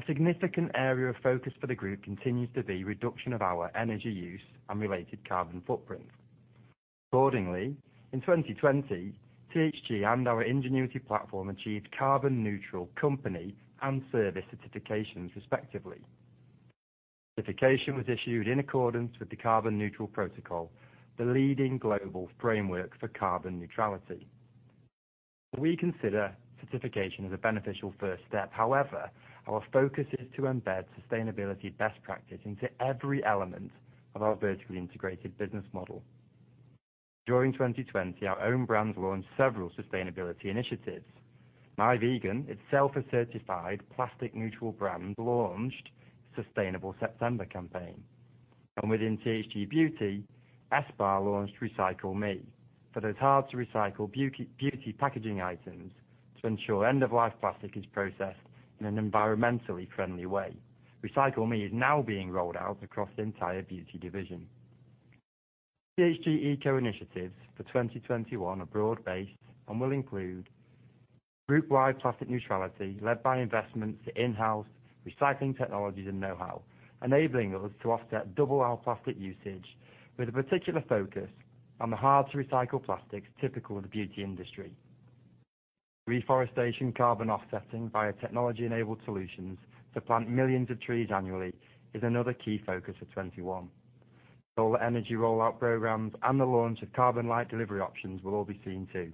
A significant area of focus for the group continues to be reduction of our energy use and related carbon footprint. Accordingly, in 2020, THG and our Ingenuity platform achieved carbon neutral company and service certifications respectively. Certification was issued in accordance with The CarbonNeutral Protocol, the leading global framework for carbon neutrality. We consider certification as a beneficial first step. However, our focus is to embed sustainability best practice into every element of our vertically integrated business model. During 2020, our own brands launched several sustainability initiatives. Myvegan itself, a certified plastic neutral brand, launched Sustainable September. Within THG Beauty, ESPA launched recycle:me for those hard-to-recycle beauty packaging items to ensure end-of-life plastic is processed in an environmentally friendly way. recycle:me is now being rolled out across the entire beauty division. THG Eco initiatives for 2021 are broad-based and will include group-wide plastic neutrality led by investments to in-house recycling technologies and know-how, enabling us to offset double our plastic usage with a particular focus on the hard-to-recycle plastics typical of the beauty industry. Reforestation carbon offsetting via technology-enabled solutions to plant millions of trees annually is another key focus for 2021. Solar energy rollout programs and the launch of carbon-light delivery options will all be seen too.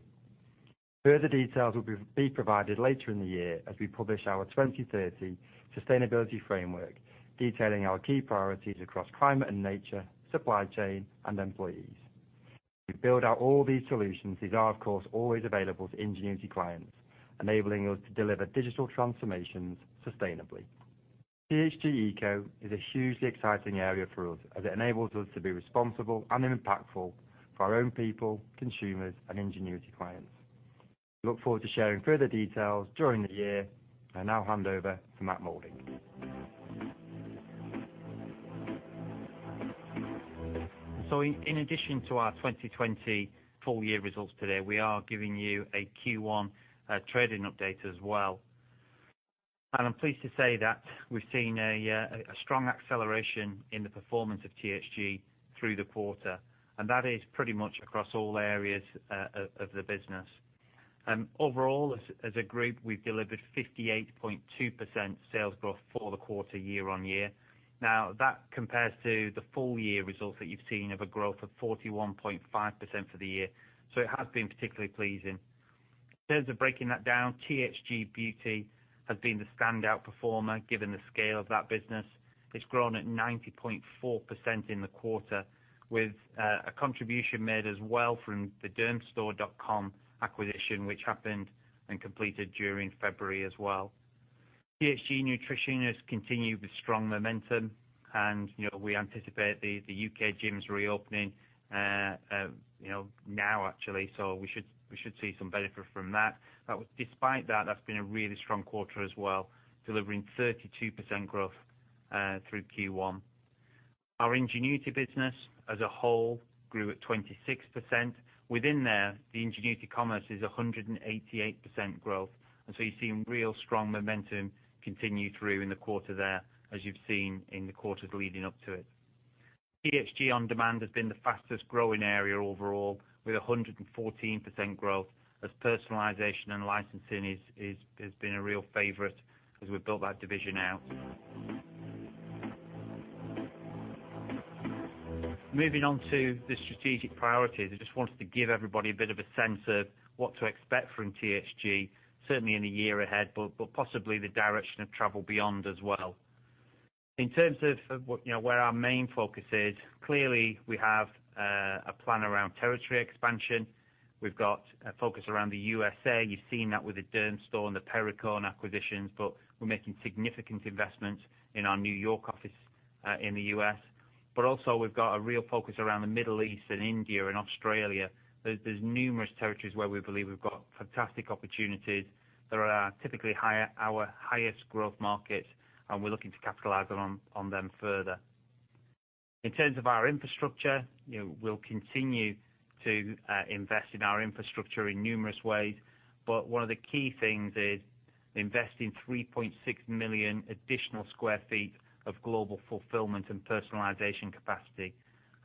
Further details will be provided later in the year as we publish our 2030 sustainability framework, detailing our key priorities across climate and nature, supply chain, and employees. We build out all these solutions. These are, of course, always available to Ingenuity clients, enabling us to deliver digital transformations sustainably. THG Eco is a hugely exciting area for us as it enables us to be responsible and impactful for our own people, consumers, and Ingenuity clients. We look forward to sharing further details during the year. I now hand over to Matt Moulding. In addition to our 2020 full-year results today, we are giving you a Q1 trading update as well. I'm pleased to say that we've seen a strong acceleration in the performance of THG through the quarter, and that is pretty much across all areas of the business. Overall, as a group, we've delivered 58.2% sales growth for the quarter year on year. Now, that compares to the full-year results that you've seen of a growth of 41.5% for the year. It has been particularly pleasing. In terms of breaking that down, THG Beauty has been the standout performer, given the scale of that business. It's grown at 90.4% in the quarter, with a contribution made as well from the Dermstore.com acquisition, which happened and completed during February as well. THG Nutrition has continued with strong momentum, and we anticipate the U.K. gyms reopening now, actually, so we should see some benefit from that. Despite that's been a really strong quarter as well, delivering 32% growth through Q1. Our Ingenuity business as a whole grew at 26%. Within there, the Ingenuity Commerce is 188% growth, so you're seeing real strong momentum continue through in the quarter there, as you've seen in the quarters leading up to it. THG OnDemand has been the fastest-growing area overall, with 114% growth, as personalization and licensing has been a real favorite as we built that division out. Moving on to the strategic priorities, I just wanted to give everybody a bit of a sense of what to expect from THG, certainly in the year ahead, but possibly the direction of travel beyond as well. In terms of where our main focus is, clearly we have a plan around territory expansion. We've got a focus around the USA. You've seen that with the Dermstore and the Perricone acquisitions, we're making significant investments in our New York office in the U.S. Also, we've got a real focus around the Middle East and India and Australia. There's numerous territories where we believe we've got fantastic opportunities that are typically our highest growth markets, and we're looking to capitalize on them further. In terms of our infrastructure, we'll continue to invest in our infrastructure in numerous ways, but one of the key things is investing 3.6 million additional square feet of global fulfillment and personalization capacity.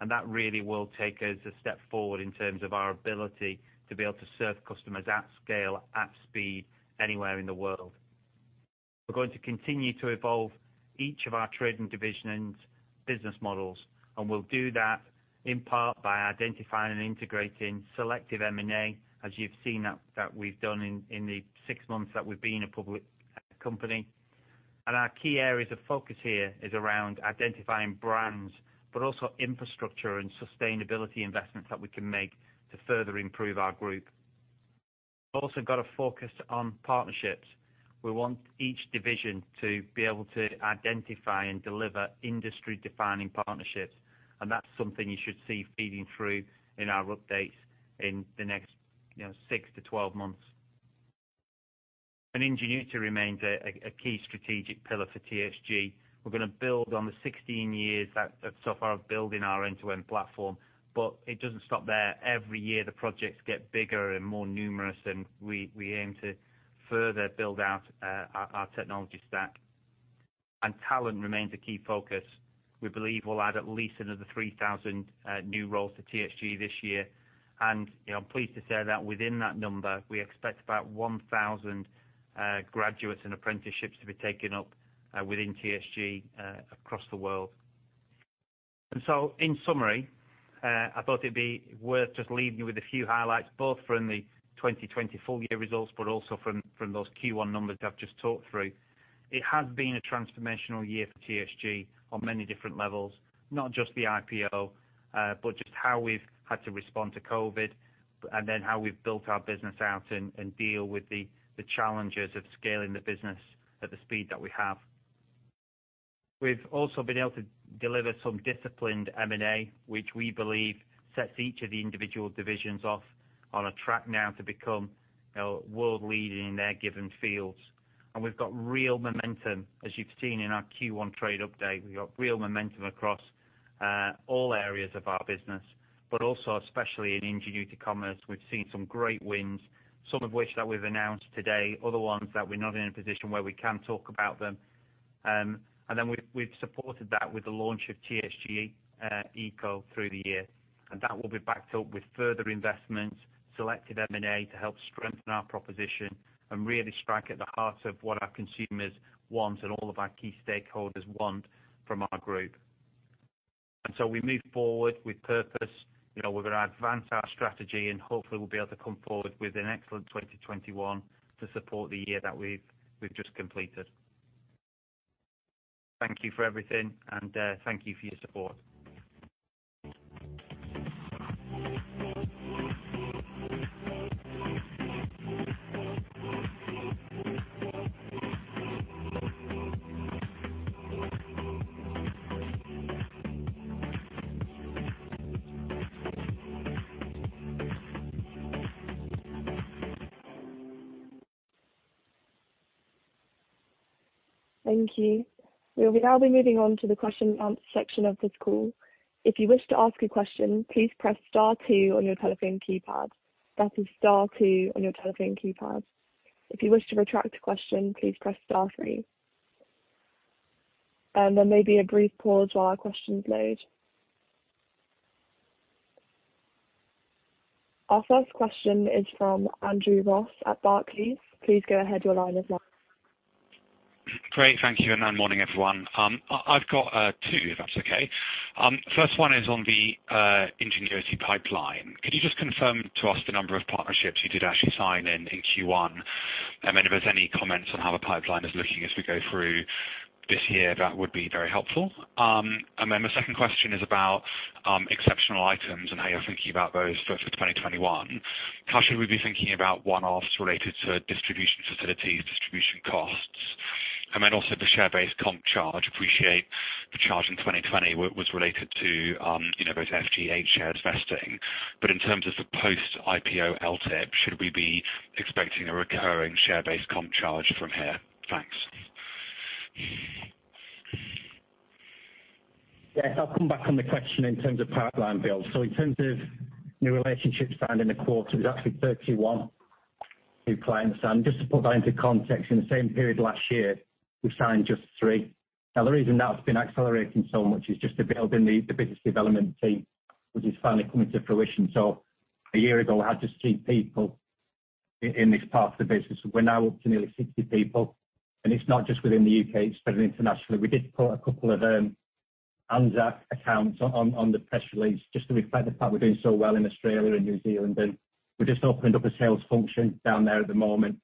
That really will take us a step forward in terms of our ability to be able to serve customers at scale, at speed anywhere in the world. We're going to continue to evolve each of our trading divisions' business models, and we'll do that in part by identifying and integrating selective M&A, as you've seen that we've done in the six months that we've been a public company. Our key areas of focus here is around identifying brands, but also infrastructure and sustainability investments that we can make to further improve our group. We also got a focus on partnerships. We want each division to be able to identify and deliver industry-defining partnerships, and that's something you should see feeding through in our updates in the next six to 12-months. Ingenuity remains a key strategic pillar for THG. We're going to build on the 16-years that so far of building our end-to-end platform, but it doesn't stop there. Every year, the projects get bigger and more numerous, and we aim to further build out our technology stack. Talent remains a key focus. We believe we'll add at least another 3,000 new roles to THG this year. I'm pleased to say that within that number, we expect about 1,000 graduates and apprenticeships to be taken up within THG across the world. In summary, I thought it'd be worth just leaving you with a few highlights, both from the 2020 full-year results, but also from those Q1 numbers I've just talked through. It has been a transformational year for THG on many different levels, not just the IPO, but just how we've had to respond to COVID, and then how we've built our business out and deal with the challenges of scaling the business at the speed that we have. We've also been able to deliver some disciplined M&A, which we believe sets each of the individual divisions off on a track now to become world-leading in their given fields. We've got real momentum, as you've seen in our Q1 trade update. We got real momentum across all areas of our business, but also especially in Ingenuity Commerce. We've seen some great wins, some of which that we've announced today, other ones that we're not in a position where we can talk about them. We've supported that with the launch of THG Eco through the year, and that will be backed up with further investments, selective M&A, to help strengthen our proposition and really strike at the heart of what our consumers want and all of our key stakeholders want from our group. We move forward with purpose. We're going to advance our strategy and hopefully we'll be able to come forward with an excellent 2021 to support the year that we've just completed. Thank you for everything, and thank you for your support. Thank you. We'll now be moving on to the question and answer section of this call. If you wish to ask a question, please press star two on your telephone keypad. That is star two on your telephone keypad. If you wish to retract a question, please press star three. There may be a brief pause while our questions load. Our first question is from Andrew Ross at Barclays. Please go ahead, your line is now. Great. Thank you. Morning, everyone. I've got two, if that's okay. First one is on the Ingenuity pipeline. Could you just confirm to us the number of partnerships you did actually sign in Q1? If there's any comments on how the pipeline is looking as we go through this year, that would be very helpful. The second question is about exceptional items and how you're thinking about those for 2021. How should we be thinking about one-offs related to distribution facilities, distribution costs, and then also the share-based comp charge? Appreciate the charge in 2020 was related to those THG shares vesting. In terms of the post-IPO LTIP, should we be expecting a recurring share-based comp charge from here? Thanks. I'll come back on the question in terms of pipeline build. In terms of new relationships found in the quarter, it was actually 31 new clients. Just to put that into context, in the same period last year, we signed just three. The reason that's been accelerating so much is just the build in the business development team, which is finally coming to fruition. A year ago, we had just three people in this part of the business. We're now up to nearly 60 people, and it's not just within the U.K., it's spreading internationally. We did put a couple of ANZAC accounts on the press release just to reflect the fact we're doing so well in Australia and New Zealand, and we're just opening up a sales function down there at the moment.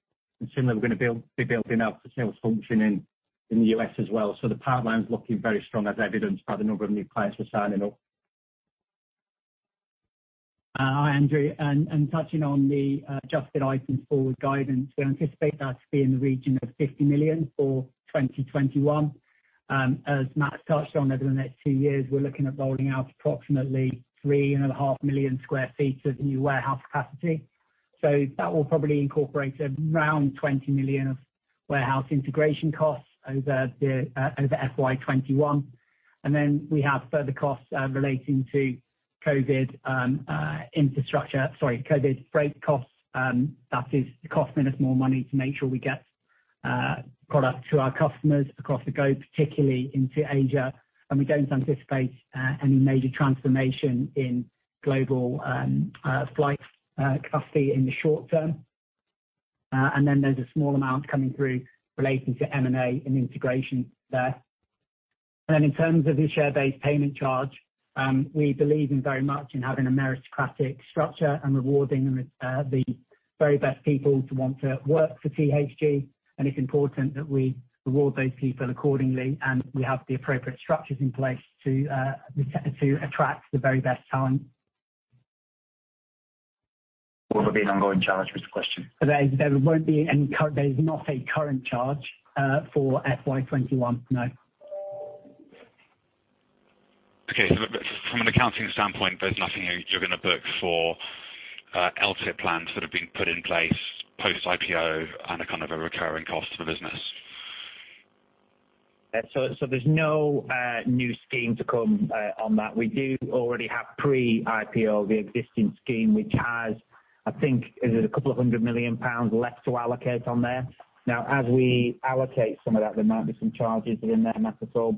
Similarly, we're going to be building out the sales function in the U.S. as well. The pipeline's looking very strong as evidenced by the number of new clients who are signing up. Hi, Andrew, touching on the adjusted items forward guidance, we anticipate that to be in the region of 50 million for 2021. As Matt touched on, over the next two years, we are looking at rolling out approximately three and a half million sq ft of new warehouse capacity. That will probably incorporate around 20 million of warehouse integration costs over FY 2021. We have further costs relating to COVID freight costs. That is the cost, minus more money, to make sure we get product to our customers across the globe, particularly into Asia. We do not anticipate any major transformation in global flight capacity in the short term. There is a small amount coming through relating to M&A and integration there. In terms of the share-based payment charge, we believe in very much in having a meritocratic structure and rewarding the very best people who want to work for THG, and it's important that we reward those people accordingly, and we have the appropriate structures in place to attract the very best talent. Will there be an ongoing charge, was the question. There's not a current charge for FY 2021, no. Okay. From an accounting standpoint, there's nothing you're going to book for LTIP plans that have been put in place post-IPO on a kind of a recurring cost to the business. There's no new scheme to come on that. We do already have pre-IPO, the existing scheme, which has, I think, is it a couple of hundred million GBP left to allocate on there. As we allocate some of that, there might be some charges within there, Matt, at all.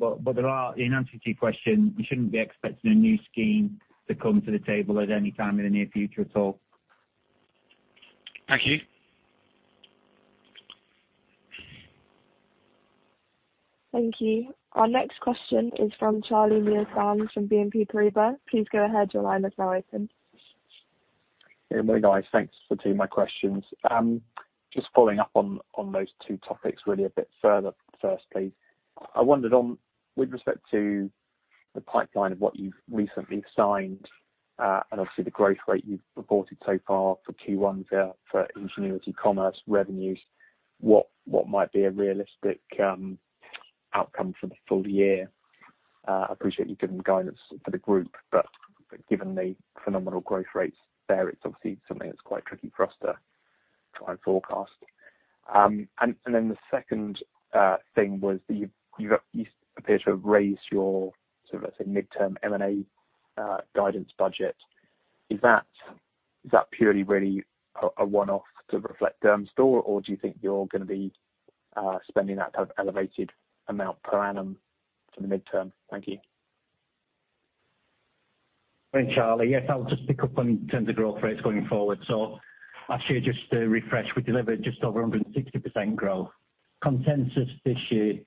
In answer to your question, you shouldn't be expecting a new scheme to come to the table at any time in the near future at all. Thank you. Thank you. Our next question is from Charlie Muir-Sands from BNP Paribas. Hey, guys. Thanks for taking my questions. Just following up on those two topics really a bit further. First, please. I wondered on with respect to the pipeline of what you've recently signed, and obviously the growth rate you've reported so far for Q1 for THG Commerce revenues, what might be a realistic outcome for the full year? I appreciate you've given guidance for the group, given the phenomenal growth rates there, it's obviously something that's quite tricky for us to try and forecast. The second thing was that you appear to have raised your, let's say, midterm M&A guidance budget. Is that purely really a one-off to reflect Dermstore, or do you think you're going to be spending that kind of elevated amount per annum for the midterm? Thank you. Thanks, Charlie. Yes, I'll just pick up on in terms of growth rates going forward. Actually just to refresh, we delivered just over 160% growth. Consensus this year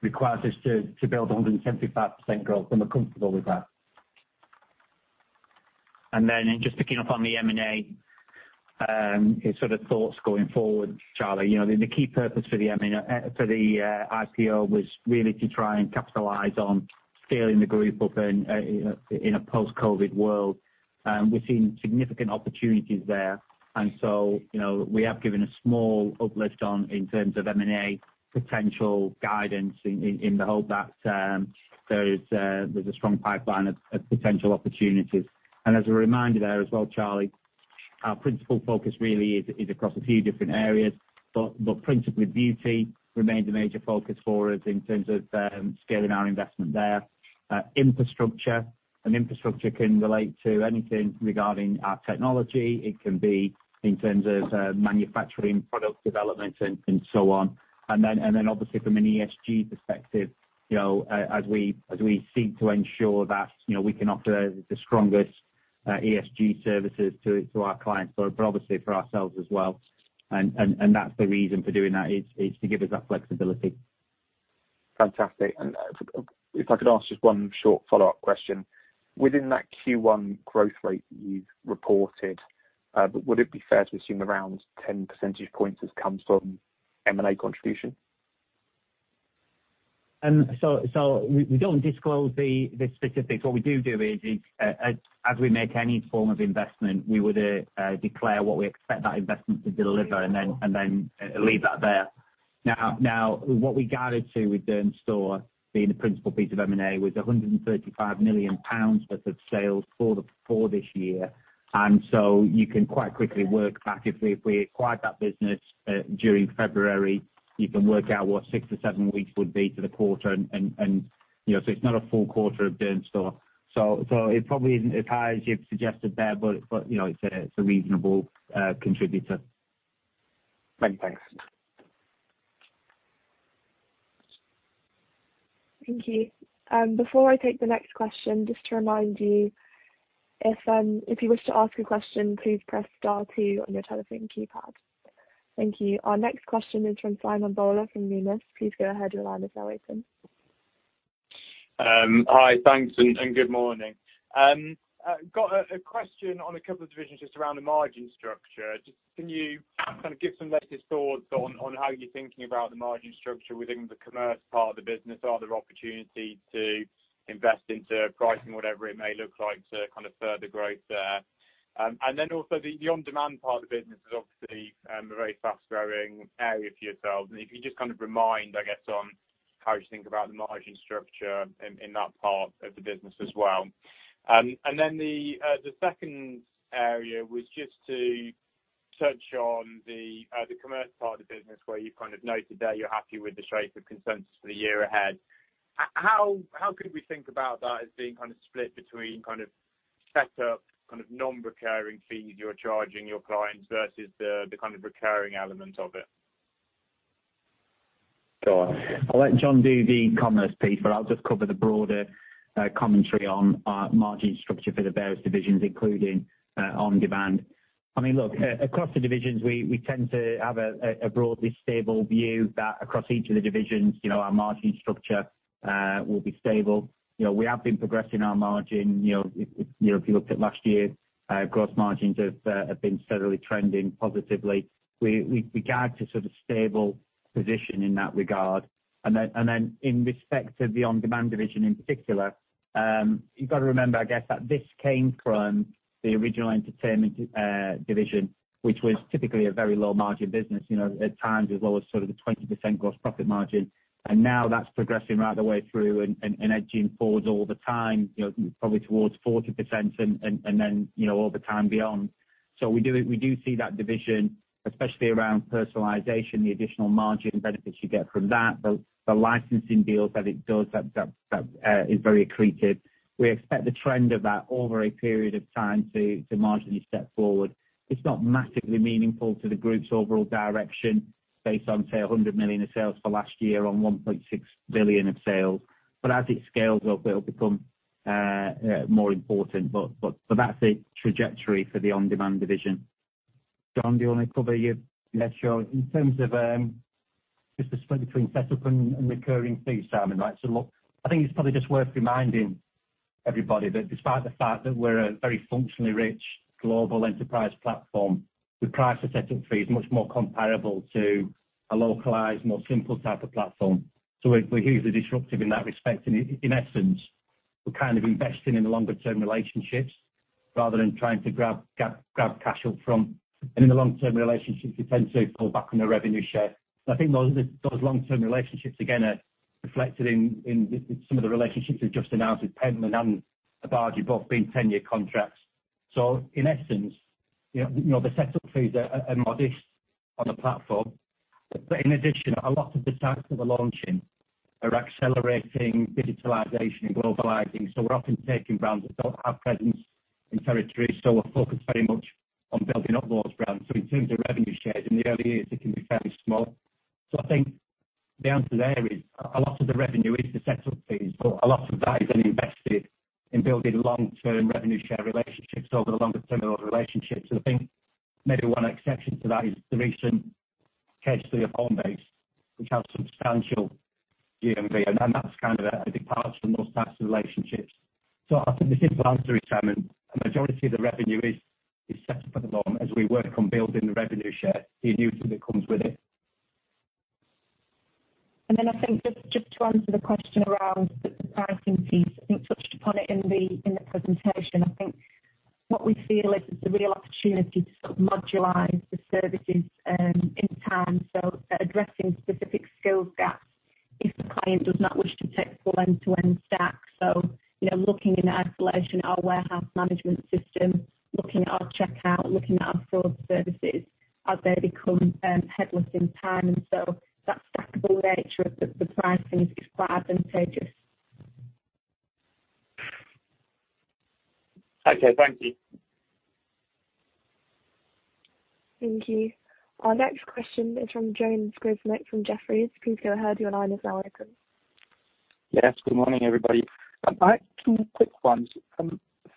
requires us to build 175% growth, and we're comfortable with that. Then just picking up on the M&A sort of thoughts going forward, Charlie. The key purpose for the IPO was really to try and capitalize on scaling the group up in a post-COVID world. We're seeing significant opportunities there. So, we have given a small uplift on in terms of M&A potential guidance in the hope that there's a strong pipeline of potential opportunities. As a reminder there as well, Charlie, our principal focus really is across a few different areas, but principally Beauty remains a major focus for us in terms of scaling our investment there. Infrastructure. Infrastructure can relate to anything regarding our technology. It can be in terms of manufacturing, product development, and so on. Obviously from an ESG perspective, as we seek to ensure that we can offer the strongest ESG services to our clients, but obviously for ourselves as well. That's the reason for doing that, is to give us that flexibility. Fantastic. If I could ask just one short follow-up question. Within that Q1 growth rate you've reported, would it be fair to assume around 10 percentage points has come from M&A contribution? We don't disclose the specifics. What we do do is as we make any form of investment, we would declare what we expect that investment to deliver and then leave that there. Now, what we guided to with Dermstore being the principal piece of M&A, was 135 million pounds worth of sales for this year. You can quite quickly work back if we acquired that business during February, you can work out what six or seven weeks would be to the quarter. It's not a full quarter of Dermstore. It probably isn't as high as you've suggested there, but it's a reasonable contributor. Many thanks. Thank you. Before I take the next question, just to remind you if I am, if you would still ask your question please start two on your telephone keypad. Thank you. Our next question is from Simon Bowler from Numis. Please go ahead. Hi, thanks. Good morning. Got a question on a couple of divisions just around the margin structure. Can you kind of give some latest thoughts on how you're thinking about the margin structure within the commerce part of the business? Are there opportunities to invest into pricing, whatever it may look like to kind of further growth there? Also the OnDemand part of the business is obviously a very fast-growing area for yourselves. If you just kind of remind, I guess, on how you think about the margin structure in that part of the business as well. The second area was just to touch on the commerce part of the business where you've kind of noted that you're happy with the shape of consensus for the year ahead. How could we think about that as being kind of split between kind of set up, kind of non-recurring fees you're charging your clients versus the kind of recurring element of it? Sure. I'll let John do the commerce piece, but I'll just cover the broader commentary on our margin structure for the various divisions, including OnDemand. I mean, look, across the divisions, we tend to have a broadly stable view that across each of the divisions, our margin structure will be stable. We have been progressing our margin. If you looked at last year, gross margins have been steadily trending positively. We guide to sort of stable position in that regard. Then in respect of the OnDemand division in particular, you've got to remember, I guess, that this came from the original entertainment division, which was typically a very low margin business, at times as low as sort of the 20% gross profit margin. Now that's progressing right the way through and edging forwards all the time, probably towards 40% and then all the time beyond. We do see that division, especially around personalization, the additional margin benefits you get from that, the licensing deals that it does that is very accretive. We expect the trend of that over a period of time to marginally step forward. It's not massively meaningful to the group's overall direction based on, say, 100 million of sales for last year on 1.6 billion of sales. But as it scales up, it'll become more important. But that's the trajectory for the OnDemand division. John, the only cover you've mentioned in terms of just the split between set-up and recurring fees, Simon. Look, I think it's probably just worth reminding everybody that despite the fact that we're a very functionally rich global enterprise platform, the price of set-up fee is much more comparable to a localized, more simple type of platform. We're hugely disruptive in that respect, and in essence, we're kind of investing in the longer-term relationships rather than trying to grab cash up from. In the long-term relationships, we tend to pull back on the revenue share. I think those long-term relationships, again, are reflected in some of the relationships we've just announced with Pentland and Apogee both being 10-year contracts. In essence, the set-up fees are modest on the platform. In addition, a lot of the sites that we're launching are accelerating digitalization and globalizing. We're often taking brands that don't have presence in territories, we're focused very much on building up those brands. In terms of revenue shares, in the early years, it can be fairly small. I think the answer there is a lot of the revenue is the set-up fees, but a lot of that is then invested in building long-term revenue share relationships over the longer term of those relationships. I think maybe one exception to that is the recent case of Homebase, which has substantial GMV, and that departs from those types of relationships. I think the simple answer is, Simon, a majority of the revenue is set for the long as we work on building the revenue share, the annuity that comes with it. I think just to answer the question around the pricing piece, I think touched upon it in the presentation. I think what we feel is the real opportunity to modularize the services in time, addressing specific skills gaps if the client does not wish to take the full end-to-end stack. Looking in isolation, our warehouse management system, looking at our checkout, looking at our fraud services as they become headless in time. That stackable nature of the pricing is quite advantageous. Okay. Thank you. Thank you. Our next question is from James Grzinic from Jefferies. Please go ahead. Yes. Good morning, everybody. I have two quick ones.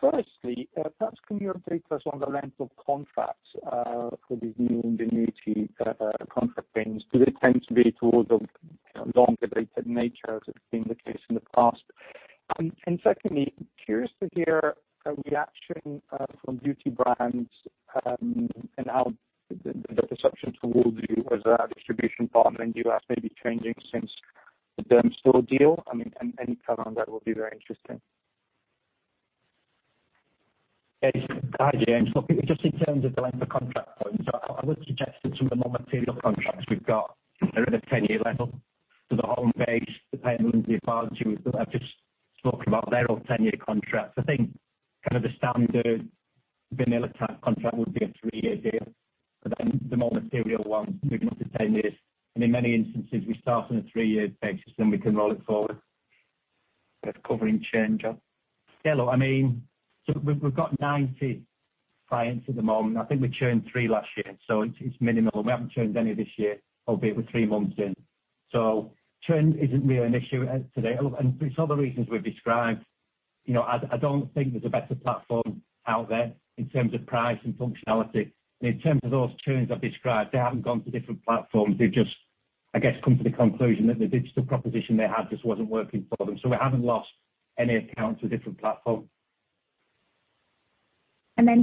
Firstly, perhaps can you update us on the length of contracts for the new Ingenuity contract wins? Do they tend to be towards a longer dated nature as has been the case in the past? Secondly, curious to hear a reaction from beauty brands and how the perception towards you as a distribution partner in the U.S. may be changing since the Dermstore deal. I mean, any comment on that will be very interesting. Hi, James. I think just in terms of the length of contract point, I would suggest that some of the more material contracts we've got are at a 10-year level. The Homebase, the Penman, the Apogee that I've just spoke about, they're all 10-year contracts. I think the standard vanilla type contract would be a three year deal, the more material ones move up to 10-years. In many instances, we start on a three year basis, we can roll it forward. Covering churn, John. We've got 90 clients at the moment. I think we churned three last year, it's minimal. We haven't churned any this year, albeit we're three months in. Churn isn't really an issue today. For all the reasons we've described, I don't think there's a better platform out there in terms of price and functionality. In terms of those churns I've described, they haven't gone to different platforms. They've just, I guess, come to the conclusion that the digital proposition they had just wasn't working for them. We haven't lost any accounts to a different platform.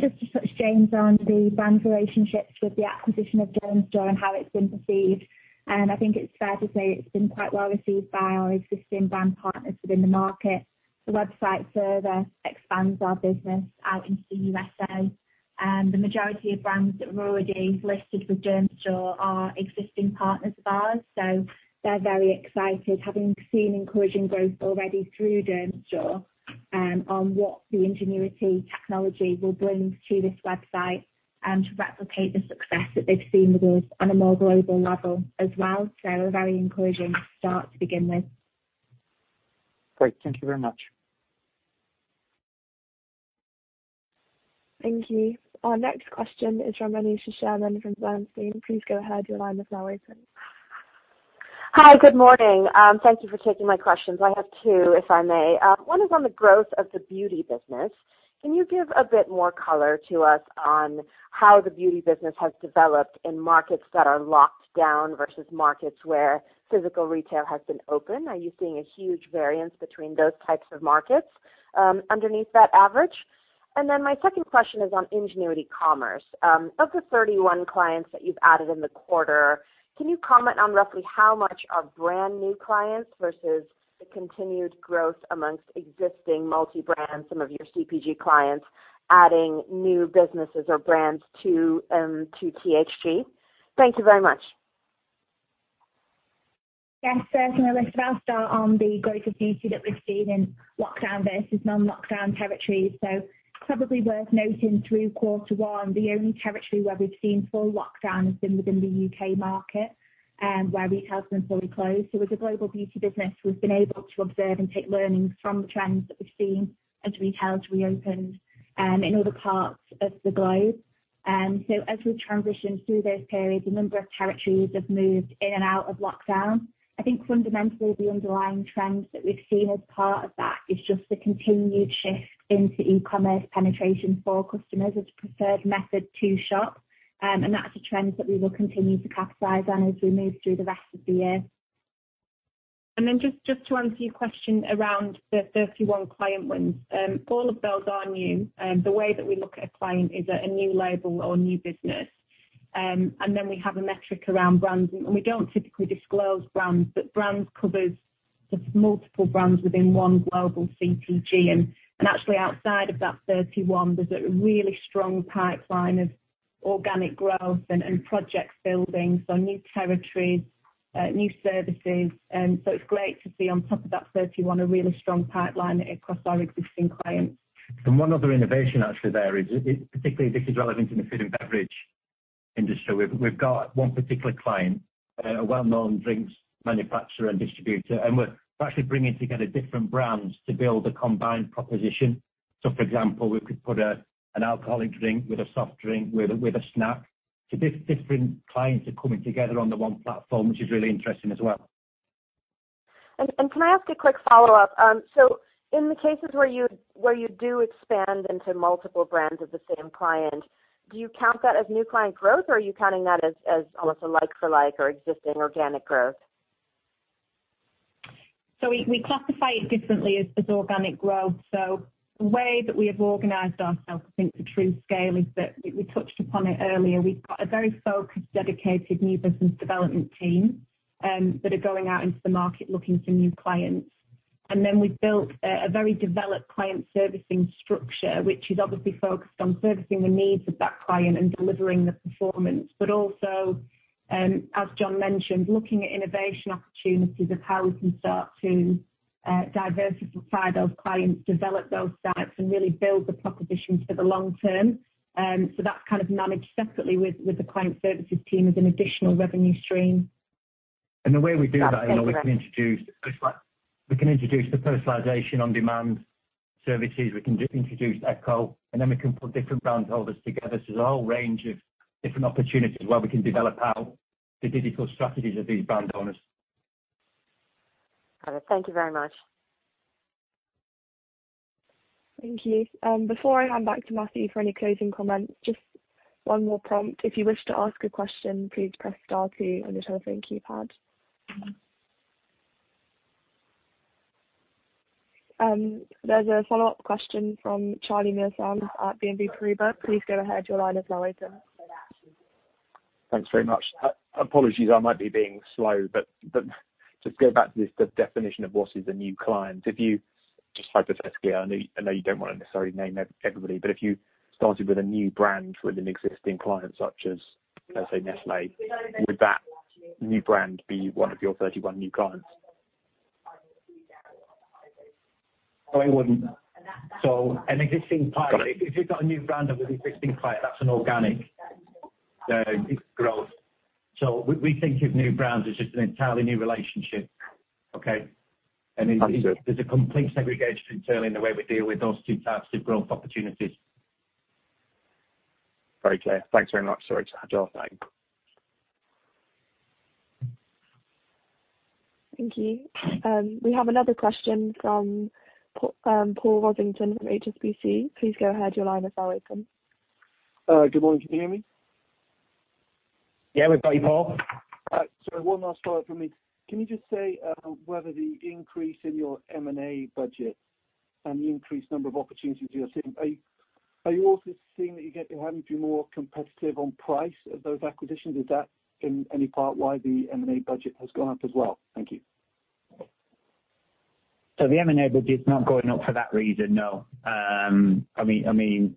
Just to touch, James, on the brand relationships with the acquisition of Dermstore and how it's been perceived. I think it's fair to say it's been quite well received by our existing brand partners within the market. The website further expands our business out into the USA. The majority of brands that were already listed with Dermstore are existing partners of ours, so they're very excited, having seen encouraging growth already through Dermstore on what the Ingenuity technology will bring to this website to replicate the success that they've seen with us on a more global level as well. A very encouraging start to begin with. Great. Thank you very much. Thank you. Our next question is from Aneesha Sherman from Bernstein. Please go ahead. Hi. Good morning. Thank you for taking my questions. I have two, if I may. One is on the growth of the beauty business. Can you give a bit more color to us on how the beauty business has developed in markets that are locked down versus markets where physical retail has been open? Are you seeing a huge variance between those types of markets underneath that average? My second question is on THG Commerce. Of the 31 clients that you've added in the quarter, can you comment on roughly how much are brand new clients versus the continued growth amongst existing multi-brand, some of your CPG clients adding new businesses or brands to THG? Thank you very much. Yes. I think I'll start on the growth of beauty that we've seen in lockdown versus non-lockdown territories. Probably worth noting through quarter one, the only territory where we've seen full lockdown has been within the U.K. market, where retail has been fully closed. As a global beauty business, we've been able to observe and take learnings from the trends that we've seen as retail has reopened in other parts of the globe. As we transitioned through those periods, a number of territories have moved in and out of lockdown. I think fundamentally, the underlying trends that we've seen as part of that is just the continued shift into e-commerce penetration for customers as a preferred method to shop. That's a trend that we will continue to capitalize on as we move through the rest of the year. Just to answer your question around the 31 client wins, all of those are new. The way that we look at a client is at a new label or a new business. We have a metric around brands. We don't typically disclose brands, but brands covers just multiple brands within one global CPG. Actually, outside of that 31, there's a really strong pipeline of organic growth and project building. New territories, new services. It's great to see on top of that 31 a really strong pipeline across our existing clients. One other innovation actually there is, particularly this is relevant in the food and beverage industry. We've got one particular client, a well-known drinks manufacturer and distributor, we're actually bringing together different brands to build a combined proposition. For example, we could put an alcoholic drink with a soft drink with a snack. Different clients are coming together on the one platform, which is really interesting as well. Can I ask a quick follow-up? In the cases where you do expand into multiple brands of the same client, do you count that as new client growth, or are you counting that as almost a like for like or existing organic growth? We classify it differently as organic growth. The way that we have organized ourselves, I think the true scale is that we touched upon it earlier. We've got a very focused, dedicated new business development team that are going out into the market looking for new clients. We've built a very developed client servicing structure, which is obviously focused on servicing the needs of that client and delivering the performance, but also, as John mentioned, looking at innovation opportunities of how we can start to diversify those clients, develop those sites, and really build the proposition for the long term. That's kind of managed separately with the client services team as an additional revenue stream. The way we do that is we can introduce the personalization on-demand services, we can introduce THG Eco, and then we can put different brand holders together. There's a whole range of different opportunities where we can develop out the digital strategies of these brand owners. Got it. Thank you very much. Thank you. Before I hand back to Matthew for any closing comments, just one more prompt. If you wish to ask a question, please press star two on your telephone keypad. There's a follow-up question from Charlie Muir-Sands at BNP Paribas. Please go ahead. Your line is now open. Thanks very much. Apologies, I might be being slow, but just go back to the definition of what is a new client. Just hypothetically, I know you don't want to necessarily name everybody, but if you started with a new brand with an existing client such as, let's say, Nestlé, would that new brand be one of your 31 new clients? No, it wouldn't. Got it. if you've got a new brand with an existing client, that's an organic growth. We think of new brands as just an entirely new relationship. Okay? Understood. There's a complete segregation internally in the way we deal with those two types of growth opportunities. Very clear. Thanks very much. Sorry to hijack your thing. Thank you. We have another question from Paul Rossington from HSBC. Please go ahead. Good morning. Can you hear me? Yeah, we've got you, Paul. Sorry, one last follow-up from me. Can you just say whether the increase in your M&A budget and the increased number of opportunities you are seeing, are you also seeing that you're having to be more competitive on price of those acquisitions? Is that in any part why the M&A budget has gone up as well? Thank you. The M&A budget is not going up for that reason, no. I mean,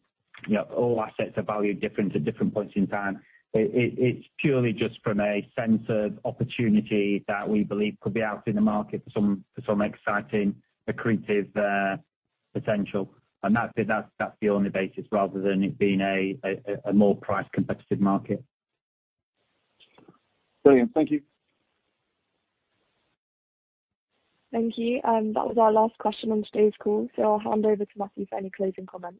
all assets are valued different at different points in time. It's purely just from a sense of opportunity that we believe could be out in the market for some exciting accretive potential. That's the only basis rather than it being a more price-competitive market. Brilliant. Thank you. Thank you. That was our last question on today's call. I'll hand over to Matthew for any closing comments.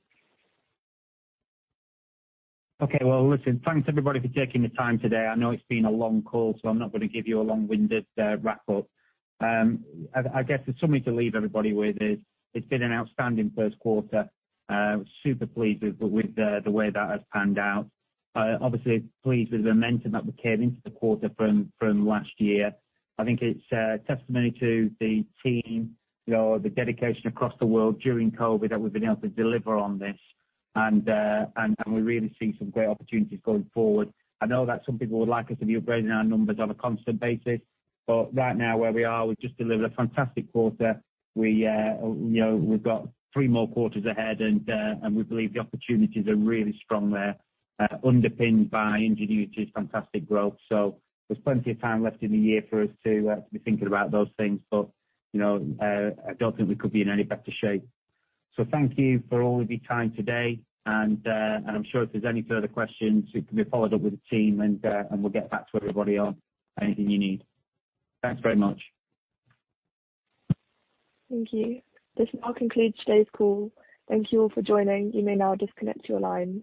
Okay. Well, listen, thanks, everybody, for taking the time today. I know it's been a long call, so I'm not going to give you a long-winded wrap-up. I guess there's something to leave everybody with is it's been an outstanding first quarter. Super pleased with the way that has panned out. Obviously pleased with the momentum that we came into the quarter from last year. I think it's a testimony to the team, the dedication across the world during COVID, that we've been able to deliver on this. We really see some great opportunities going forward. I know that some people would like us to be upgrading our numbers on a constant basis. Right now, where we are, we've just delivered a fantastic quarter. We've got three more quarters ahead, and we believe the opportunities are really strong there, underpinned by Ingenuity's fantastic growth. There's plenty of time left in the year for us to be thinking about those things, but I don't think we could be in any better shape. Thank you for all of your time today, and I'm sure if there's any further questions, it can be followed up with the team, and we'll get back to everybody on anything you need. Thanks very much. Thank you. This now concludes today's call. Thank you all for joining. You may now disconnect your lines.